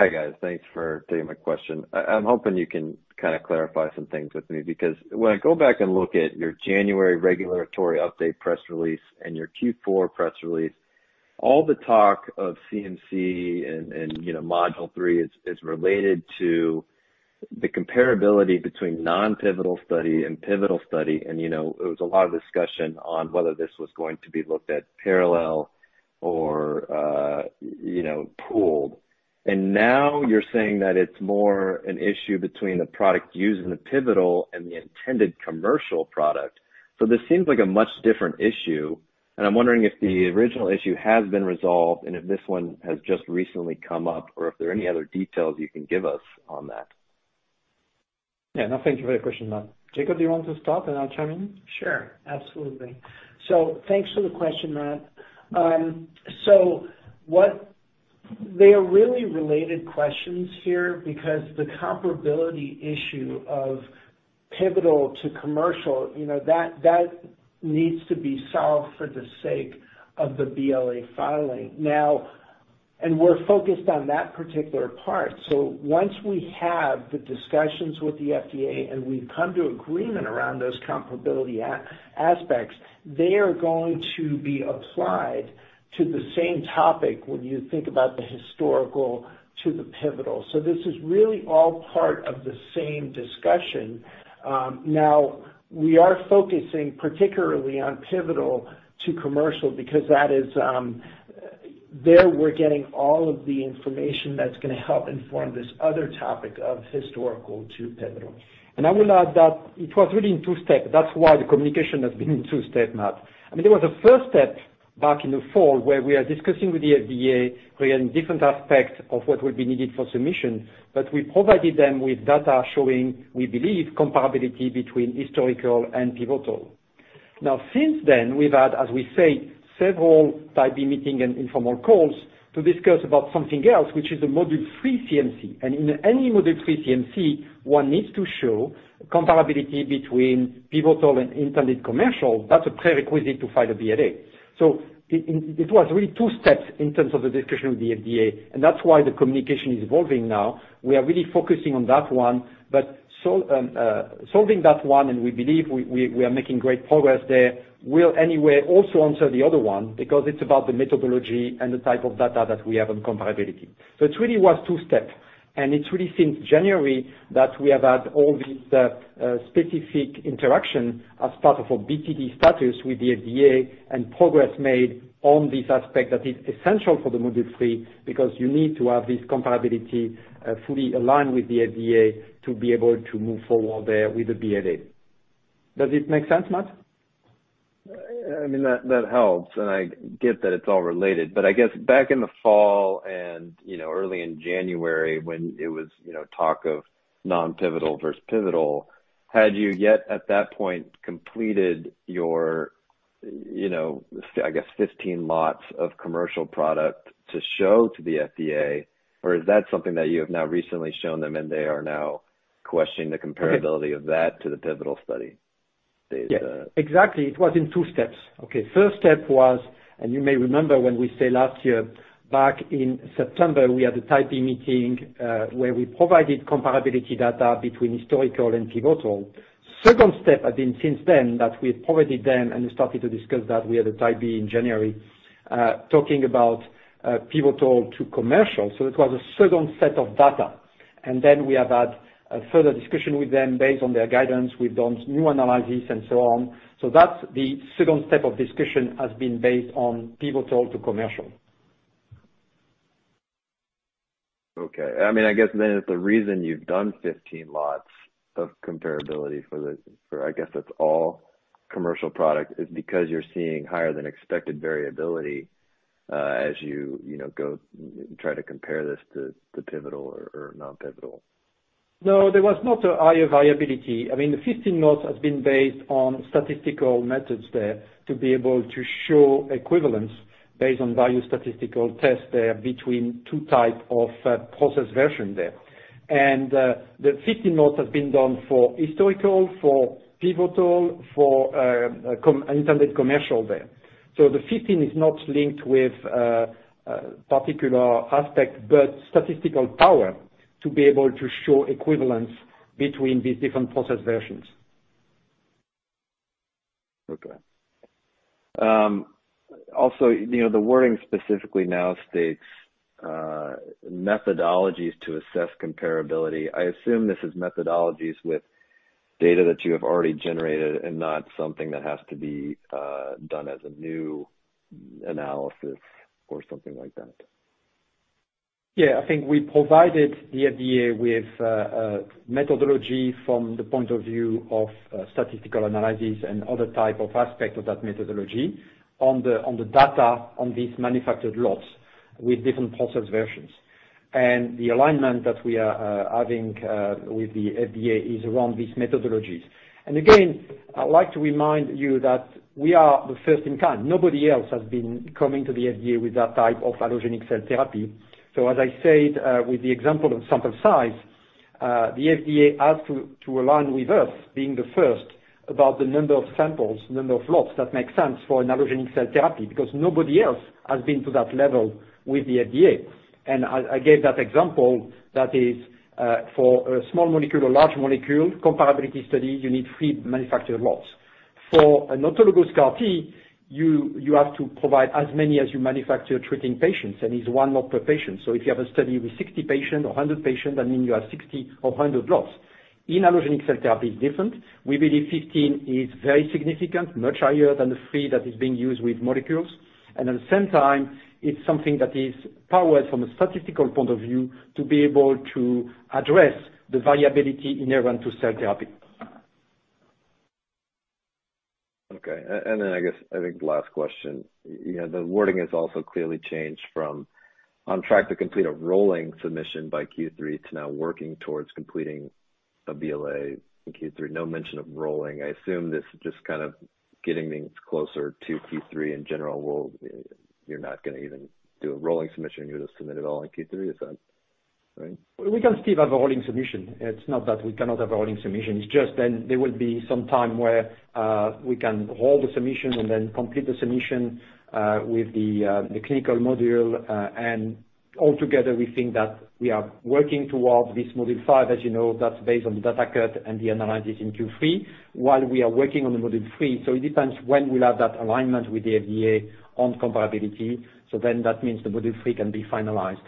Hi, guys. Thanks for taking my question. I'm hoping you can kind of clarify some things with me, because when I go back and look at your January regulatory update press release and your Q4 press release, all the talk of CMC and, you know, module 3 is related to the comparability between non-pivotal study and pivotal study and, you know, there was a lot of discussion on whether this was going to be looked at parallel or, you know, pooled. Now you're saying that it's more an issue between the product used in the pivotal and the intended commercial product. This seems like a much different issue, and I'm wondering if the original issue has been resolved and if this one has just recently come up, or if there are any other details you can give us on that. Yeah. No, thank you for your question, Matt. Jakob, do you want to start and I'll chime in? Sure, absolutely, so thanks for the question, Matt. They are really related questions here because the comparability issue of pivotal to commercial, you know, that needs to be solved for the sake of the BLA filing. We're focused on that particular part. Once we have the discussions with the FDA and we've come to agreement around those comparability aspects, they are going to be applied to the same topic when you think about the historical to the pivotal, so this is really all part of the same discussion. We are focusing particularly on pivotal to commercial, because there we're getting all of the information that's going to help inform this other topic of historical to pivotal. I will add that it was really in two steps, that's why the communication has been in two steps, Matt. There was a first step back in the fall where we are discussing with the FDA regarding different aspects of what will be needed for submission. We provided them with data showing, we believe, comparability between historical and pivotal. Since then, we've had, as we say, several Type B meeting and informal calls to discuss about something else, which is a Module 3 CMC. In any Module 3 CMC, one needs to show comparability between pivotal and intended commercial. That's a prerequisite to file a BLA. It was really two steps in terms of the discussion with the FDA, and that's why the communication is evolving now. We are really focusing on that one. Solving that one, and we believe we are making great progress there, will anyway also answer the other one, because it's about the methodology and the type of data that we have on comparability. It really was two steps, and it's really since January that we have had all these specific interactions as part of a BTD status with the FDA and progress made on this aspect that is essential for the module 3 because you need to have this comparability fully aligned with the FDA to be able to move forward there with the BLA. Does it make sense, Matt? That helps. I get that it's all related, but I guess back in the fall and early in January when it was talk of non-pivotal versus pivotal, had you yet at that point completed your, I guess, 15 lots of commercial product to show to the FDA? Is that something that you have now recently shown them and they are now questioning the comparability of that to the pivotal study data? Yes, exactly, it was in two steps. Okay, first step was, and you may remember when we say last year, back in September, we had a Type B meeting, where we provided comparability data between historical and pivotal. Second step had been since then that we provided them and started to discuss that we had a Type B in January, talking about pivotal to commercial. It was a second set of data, and then we have had a further discussion with them based on their guidance. We've done new analysis and so on, so that's the second step of discussion has been based on pivotal to commercial. Okay. I guess the reason you've done 15 lots of comparability for, I guess that's all commercial product, is because you're seeing higher than expected variability, as you go try to compare this to the pivotal or non-pivotal. No, there was not a higher variability. The 15 lots has been based on statistical methods there to be able to show equivalence based on value statistical test there between two type of process version there. The 15 lots has been done for historical, for pivotal, for intended commercial there. The 15 is not linked with particular aspect, but statistical power to be able to show equivalence between these different process versions. Okay. Also, you know, the wording specifically now states, methodologies to assess comparability. I assume this is methodologies with data that you have already generated and not something that has to be done as a new analysis or something like that? Yeah, I think we provided the FDA with methodology from the point of view of statistical analysis and other type of aspect of that methodology on the data on these manufactured lots with different process versions. The alignment that we are having with the FDA is around these methodologies. Again, I'd like to remind you that we are the first in kind. Nobody else has been coming to the FDA with that type of allogeneic cell therapy. As I said, with the example of sample size, the FDA has to align with us being the first about the number of samples, number of lots that make sense for an allogeneic cell therapy, because nobody else has been to that level with the FDA, and I gave that example that is, for a small molecule or large molecule comparability study, you need three manufactured lots. For an autologous CAR T, you have to provide as many as you manufacture treating patients, is one lot per patient. If you have a study with 60 patient or 100 patient, that means you have 60 or 100 lots. In allogeneic cell therapy, it's different. We believe 15 is very significant, much higher than the three that is being used with molecules. At the same time, it's something that is powered from a statistical point of view to be able to address the variability inherent to cell therapy. Okay, and I guess, I think the last question, the wording has also clearly changed from on track to complete a rolling submission by Q3 to now working towards completing a BLA in Q3. No mention of rolling. I assume this is just kind of getting things closer to Q3 in general. Well, you're not going to even do a rolling submission. You'll just submit it all in Q3. Is that right? We can still have a rolling submission. It's not that we cannot have a rolling submission. It's just then there will be some time where we can hold the submission and then complete the submission with the clinical module. Altogether, we think that we are working towards this module 5. As you know, that's based on the data cut and the analysis in Q3 while we are working on the module 3. It depends when we'll have that alignment with the FDA on comparability so then hat means the module 3 can be finalized.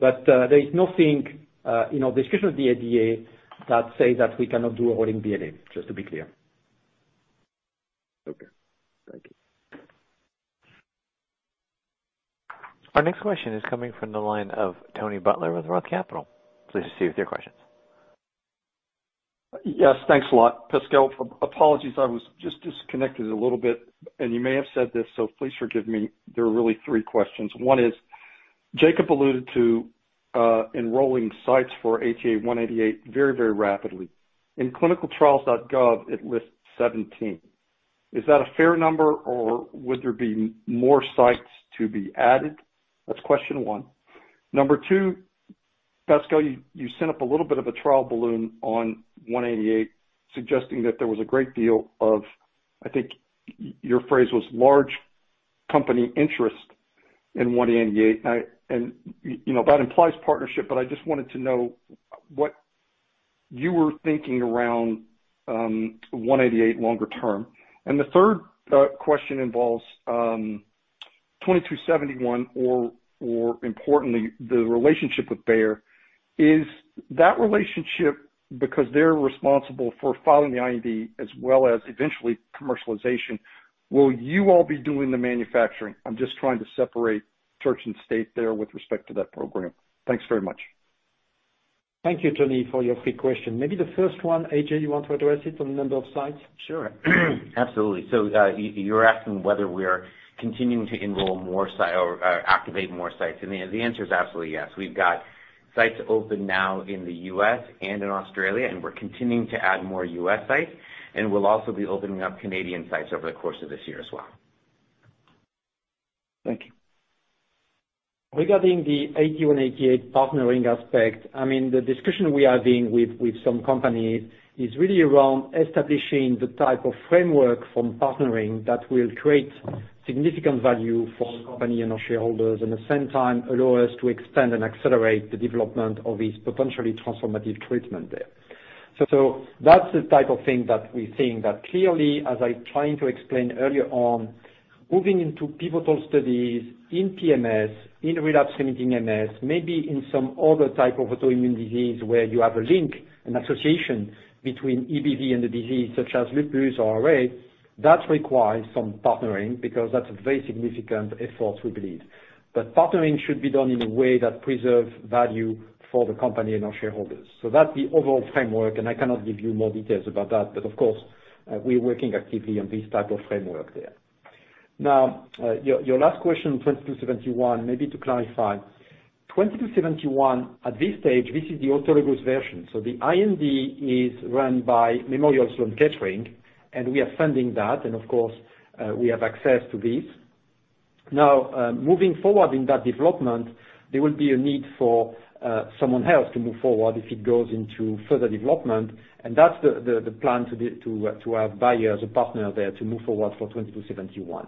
There is nothing in our description of the ADA that says that we cannot do a rolling BLA, just to be clear. Okay. Thank you. Our next question is coming from the line of Tony Butler with Roth Capital. Please proceed with your questions. Yes, thanks a lot, Pascal. Apologies, I was just disconnected a little bit. You may have said this, please forgive me. There are really three questions. One is, Jakob alluded to enrolling sites for ATA188 very rapidly. In clinicaltrials.gov, it lists 17. Is that a fair number or would there be more sites to be added? That's question one. Number two, Pascal, you sent up a little bit of a trial balloon on 188 suggesting that there was a great deal of, I think your phrase was large company interest in 188. That implies partnership. I just wanted to know what you were thinking around 188 longer term. The third question involves 2271 or importantly, the relationship with Bayer. Is that relationship because they're responsible for filing the IND as well as eventually commercialization, will you all be doing the manufacturing? I'm just trying to separate church and state there with respect to that program. Thanks very much. Thank you, Tony, for your three questions. Maybe the first one, AJ, you want to address it on the number of sites? Sure, absolutely, you're asking whether we're continuing to enroll more sites or activate more sites, and the answer is absolutely yes. We've got sites open now in the U.S. and in Australia and we're continuing to add more U.S. sites. We'll also be opening up Canadian sites over the course of this year as well. Thank you. Regarding the ATA188 partnering aspect, the discussion we are having with some companies is really around establishing the type of framework from partnering that will create significant value for the company and our shareholders. At the same time, allow us to extend and accelerate the development of this potentially transformative treatment there. That's the type of thing that we think that clearly, as I trying to explain earlier on, moving into pivotal studies in PMS, in relapsing MS, maybe in some other type of autoimmune disease where you have a link, an association between EBV and the disease such as lupus or RA, that requires some partnering because that's a very significant effort, we believe. Partnering should be done in a way that preserves value for the company and our shareholders. That's the overall framework, and I cannot give you more details about that. Of course, we are working actively on this type of framework there. Now, your last question, 2271. Maybe to clarify, 2271 at this stage, this is the autologous version. The IND is run by Memorial Sloan Kettering, and we are funding that, and of course, we have access to this. Now, moving forward in that development, there will be a need for someone else to move forward if it goes into further development, and that's the plan to have Bayer as a partner there to move forward for 2271.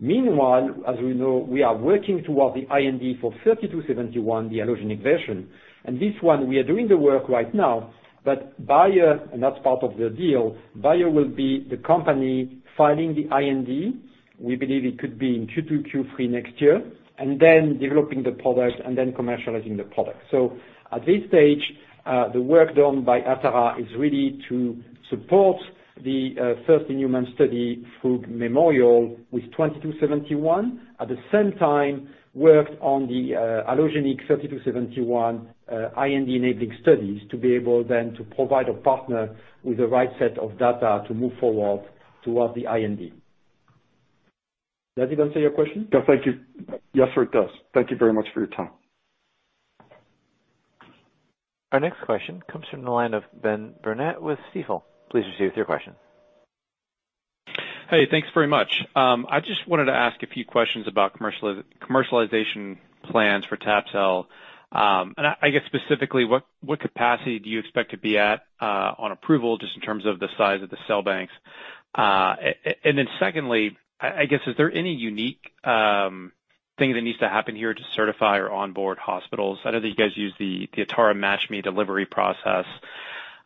Meanwhile, as we know, we are working towards the IND for 3271, the allogeneic version, and this one, we are doing the work right now, but Bayer, and that's part of the deal, Bayer will be the company filing the IND. We believe it could be in Q2, Q3 next year, and then developing the product, and then commercializing the product. At this stage, the work done by Atara is really to support the first human study through Memorial with 2271. At the same time, work on the allogeneic 3271 IND-enabling studies to be able then to provide a partner with the right set of data to move forward towards the IND. Does it answer your question? Yeah. Thank you. Yes, sir, it does. Thank you very much for your time. Our next question comes from the line of Ben Burnett with Stifel. Please proceed with your question. Hey, thanks very much. I just wanted to ask a few questions about commercialization plans for tab-cel, and I guess specifically, what capacity do you expect to be at on approval, just in terms of the size of the cell banks? Then secondly, I guess, is there any unique thing that needs to happen here to certify or onboard hospitals? I know that you guys use the Atara MatchMe delivery process.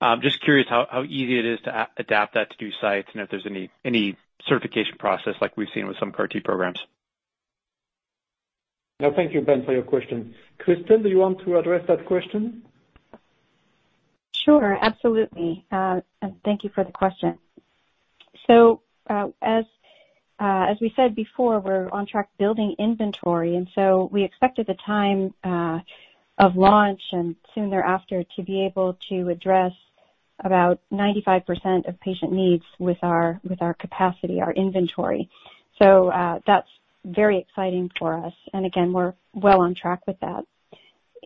I'm just curious how easy it is to adapt that to new sites and if there's any certification process like we've seen with some CAR-T programs. Thank you, Ben, for your question. Kristin, do you want to address that question? Sure, absolutely, and thank you for the question. As we said before, we're on track building inventory. We expect at the time of launch and soon thereafter to be able to address about 95% of patient needs with our capacity, our inventory. That's very exciting for us and again, we're well on track with that.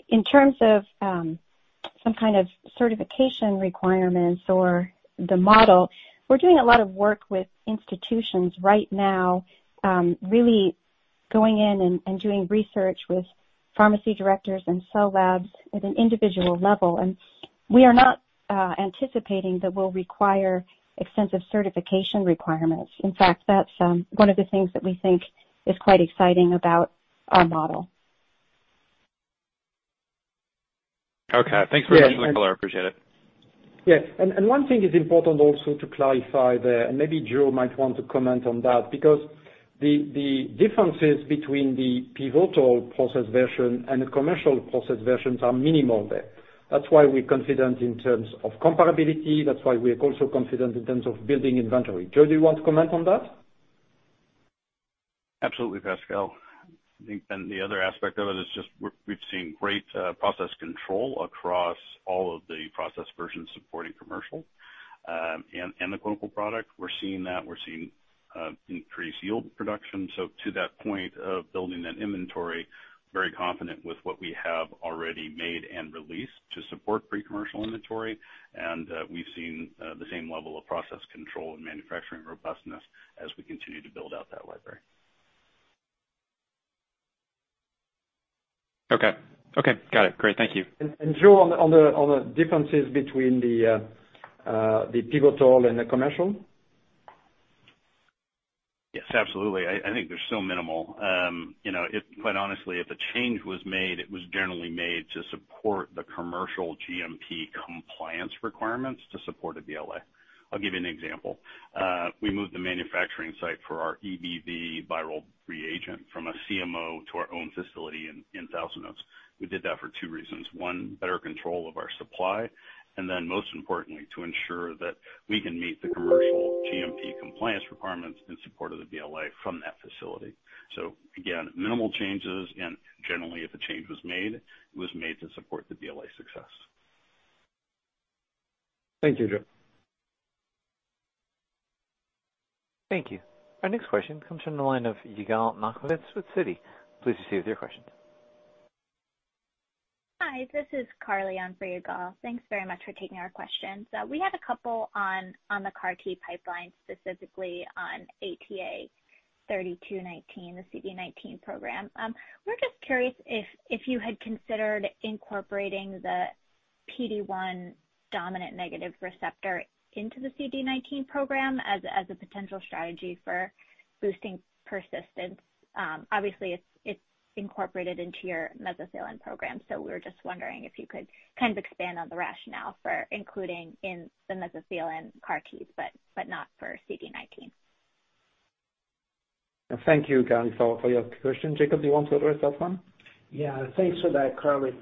In terms of some kind of certification requirements or the model, we're doing a lot of work with institutions right now, really going in and doing research with pharmacy directors and cell labs at an individual level. We are not anticipating that we'll require extensive certification requirements. In fact, that's one of the things that we think is quite exciting about our model. Okay. Thanks very much for the color. I appreciate it. Yes, and one thing is important also to clarify there, and maybe Joe might want to comment on that, because the differences between the pivotal process version and the commercial process versions are minimal there. That's why we're confident in terms of comparability, that's why we are also confident in terms of building inventory. Joe, do you want to comment on that? Absolutely, Pascal. I think, the other aspect of it is just we've seen great process control across all of the process versions supporting commercial and the clinical product. We're seeing that. We're seeing increased yield production. To that point of building that inventory, very confident with what we have already made and released to support pre-commercial inventory. We've seen the same level of process control and manufacturing robustness as we continue to build out that library. Okay, got it. Great, thank you. Joe, on the differences between the pivotal and the commercial? Yes, absolutely. I think they're so minimal. Quite honestly, if a change was made, it was generally made to support the commercial GMP compliance requirements to support a BLA. I'll give you an example. We moved the manufacturing site for our EBV viral reagent from a CMO to our own facility in Thousand Oaks. We did that for two reasons. One, better control of our supply, and then most importantly, to ensure that we can meet the commercial GMP compliance requirements in support of the BLA from that facility. Again, minimal changes, and generally if a change was made, it was made to support the BLA success. Thank you, Joe. Thank you. Our next question comes from the line of Yigal Nochomovitz with Citi. Please proceed with your question. Hi, this is Carly on for Yigal. Thanks very much for taking our questions. We had a couple on the CAR T pipeline, specifically on ATA3219, the CD19 program. We're just curious if you had considered incorporating the PD-1 dominant negative receptor into the CD19 program as a potential strategy for boosting persistence. Obviously, it's incorporated into your mesothelin program, so we were just wondering if you could kind of expand on the rationale for including in the mesothelin CAR Ts, but not for CD19. Thank you again for your question. Jakob, do you want to address that one? Yeah. Thanks for that, Carly.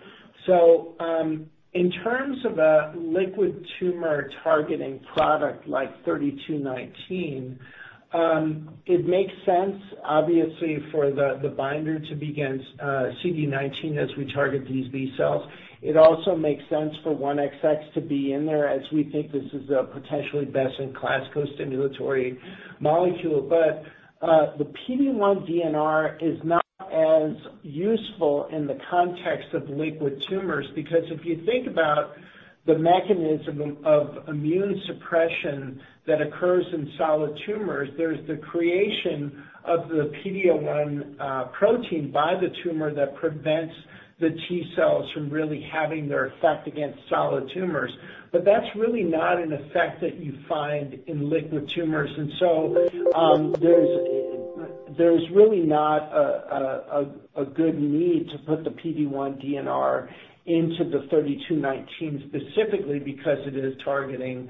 In terms of a liquid tumor-targeting product like 3219, it makes sense, obviously, for the binder to be against CD19 as we target these B cells. It also makes sense for 1XX to be in there as we think this is a potentially best-in-class co-stimulatory molecule. The PD-1 DNR is not as useful in the context of liquid tumors, because if you think about the mechanism of immune suppression that occurs in solid tumors, there's the creation of the PD-L1 protein by the tumor that prevents the T cells from really having their effect against solid tumors. That's really not an effect that you find in liquid tumors. There's really not a good need to put the PD-1 DNR into the 3219 specifically because it is targeting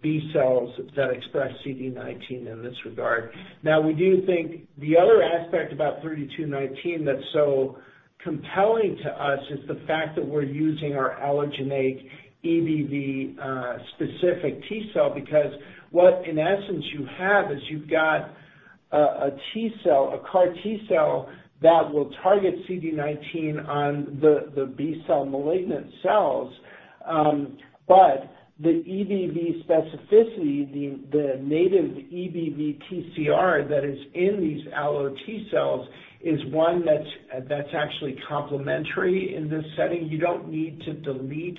B cells that express CD19 in this regard. We do think the other aspect about 3219 that's so compelling to us is the fact that we're using our allogeneic EBV specific T cell, because what in essence you have is you've got a T cell, a CAR-T cell that will target CD19 on the B cell malignant cells. The EBV specificity, the native EBV TCR that is in these allo T cells, is one that's actually complementary in this setting. You don't need to delete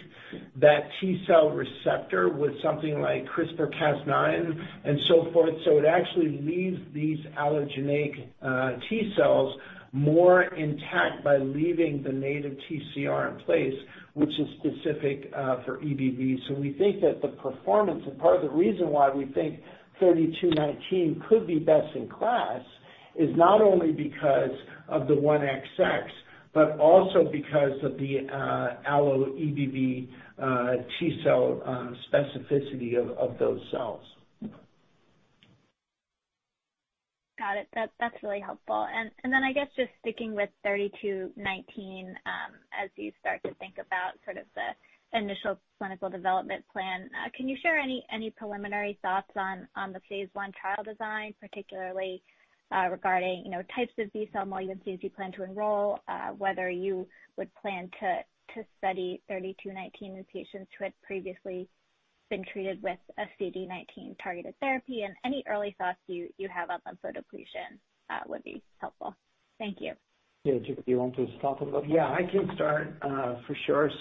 that T cell receptor with something like CRISPR-Cas9 and so forth. It actually leaves these allogeneic T cells more intact by leaving the native TCR in place, which is specific for EBV. We think that the performance and part of the reason why we think 3219 could be best in class is not only because of the 1XX, but also because of the allo EBV T cell specificity of those cells. Got it, that's really helpful, and I guess just sticking with 3219, as you start to think about sort of the initial clinical development plan, can you share any preliminary thoughts on the phase I trial design, particularly regarding types of B-cell malignancies you plan to enroll, whether you would plan to study 3219 in patients who had previously been treated with a CD19 targeted therapy, and any early thoughts you have on lymphodepletion would be helpful. Thank you. Yeah. Jakob, do you want to start with that? Yeah, I can start for sure.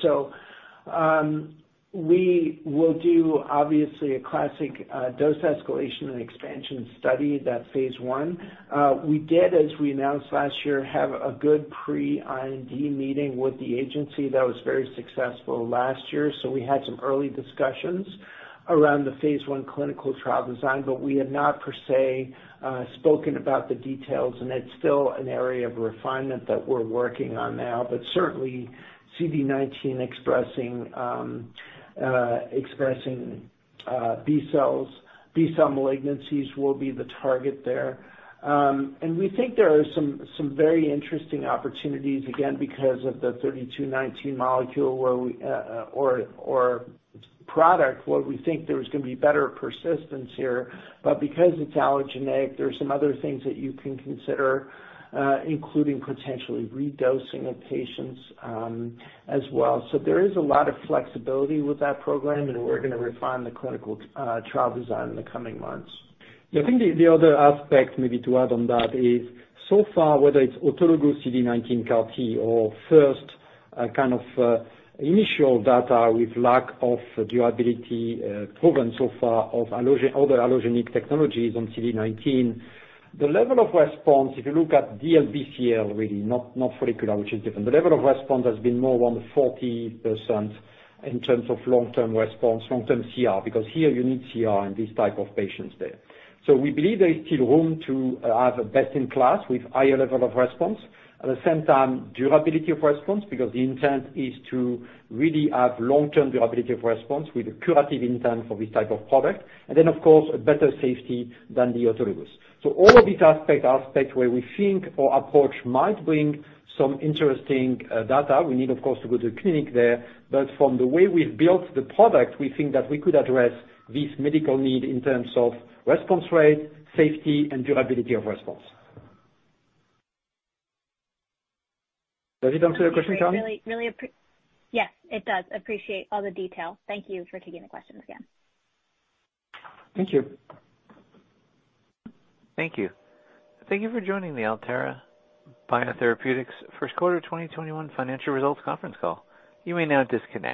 We will do obviously a classic dose escalation and expansion study, that phase I. We did, as we announced last year, have a good pre-IND meeting with the agency that was very successful last year. We had some early discussions around the phase I clinical trial design, but we have not per se spoken about the details, and it's still an area of refinement that we're working on now. Certainly, CD19 expressing B-cell malignancies will be the target there, and we think there are some very interesting opportunities, again, because of the 3219 molecule or product, where we think there's going to be better persistence here. Because it's allogeneic, there are some other things that you can consider, including potentially redosing of patients as well. There is a lot of flexibility with that program, and we're going to refine the clinical trial design in the coming months. I think the other aspect maybe to add on that is so far, whether it's autologous CD19 CAR-T or first kind of initial data with lack of durability proven so far of other allogeneic technologies on CD19, the level of response, if you look at DLBCL, really, not follicular, which is different. The level of response has been more around the 40% in terms of long-term response, long-term CR, because here you need CR in this type of patients there. We believe there is still room to have a best in class with higher level of response. At the same time, durability of response, because the intent is to really have long-term durability of response with a curative intent for this type of product and then, of course, better safety than the autologous. All of these aspects where we think our approach might bring some interesting data. We need, of course, to go to the clinic there. From the way we've built the product, we think that we could address this medical need in terms of response rate, safety, and durability of response. Does it answer your question, Carly? Yes, it does, appreciate all the detail. Thank you for taking the questions again. Thank you. Thank you. Thank you for joining the Atara Biotherapeutics First Quarter 2021 Financial Results Conference Call. You may now disconnect.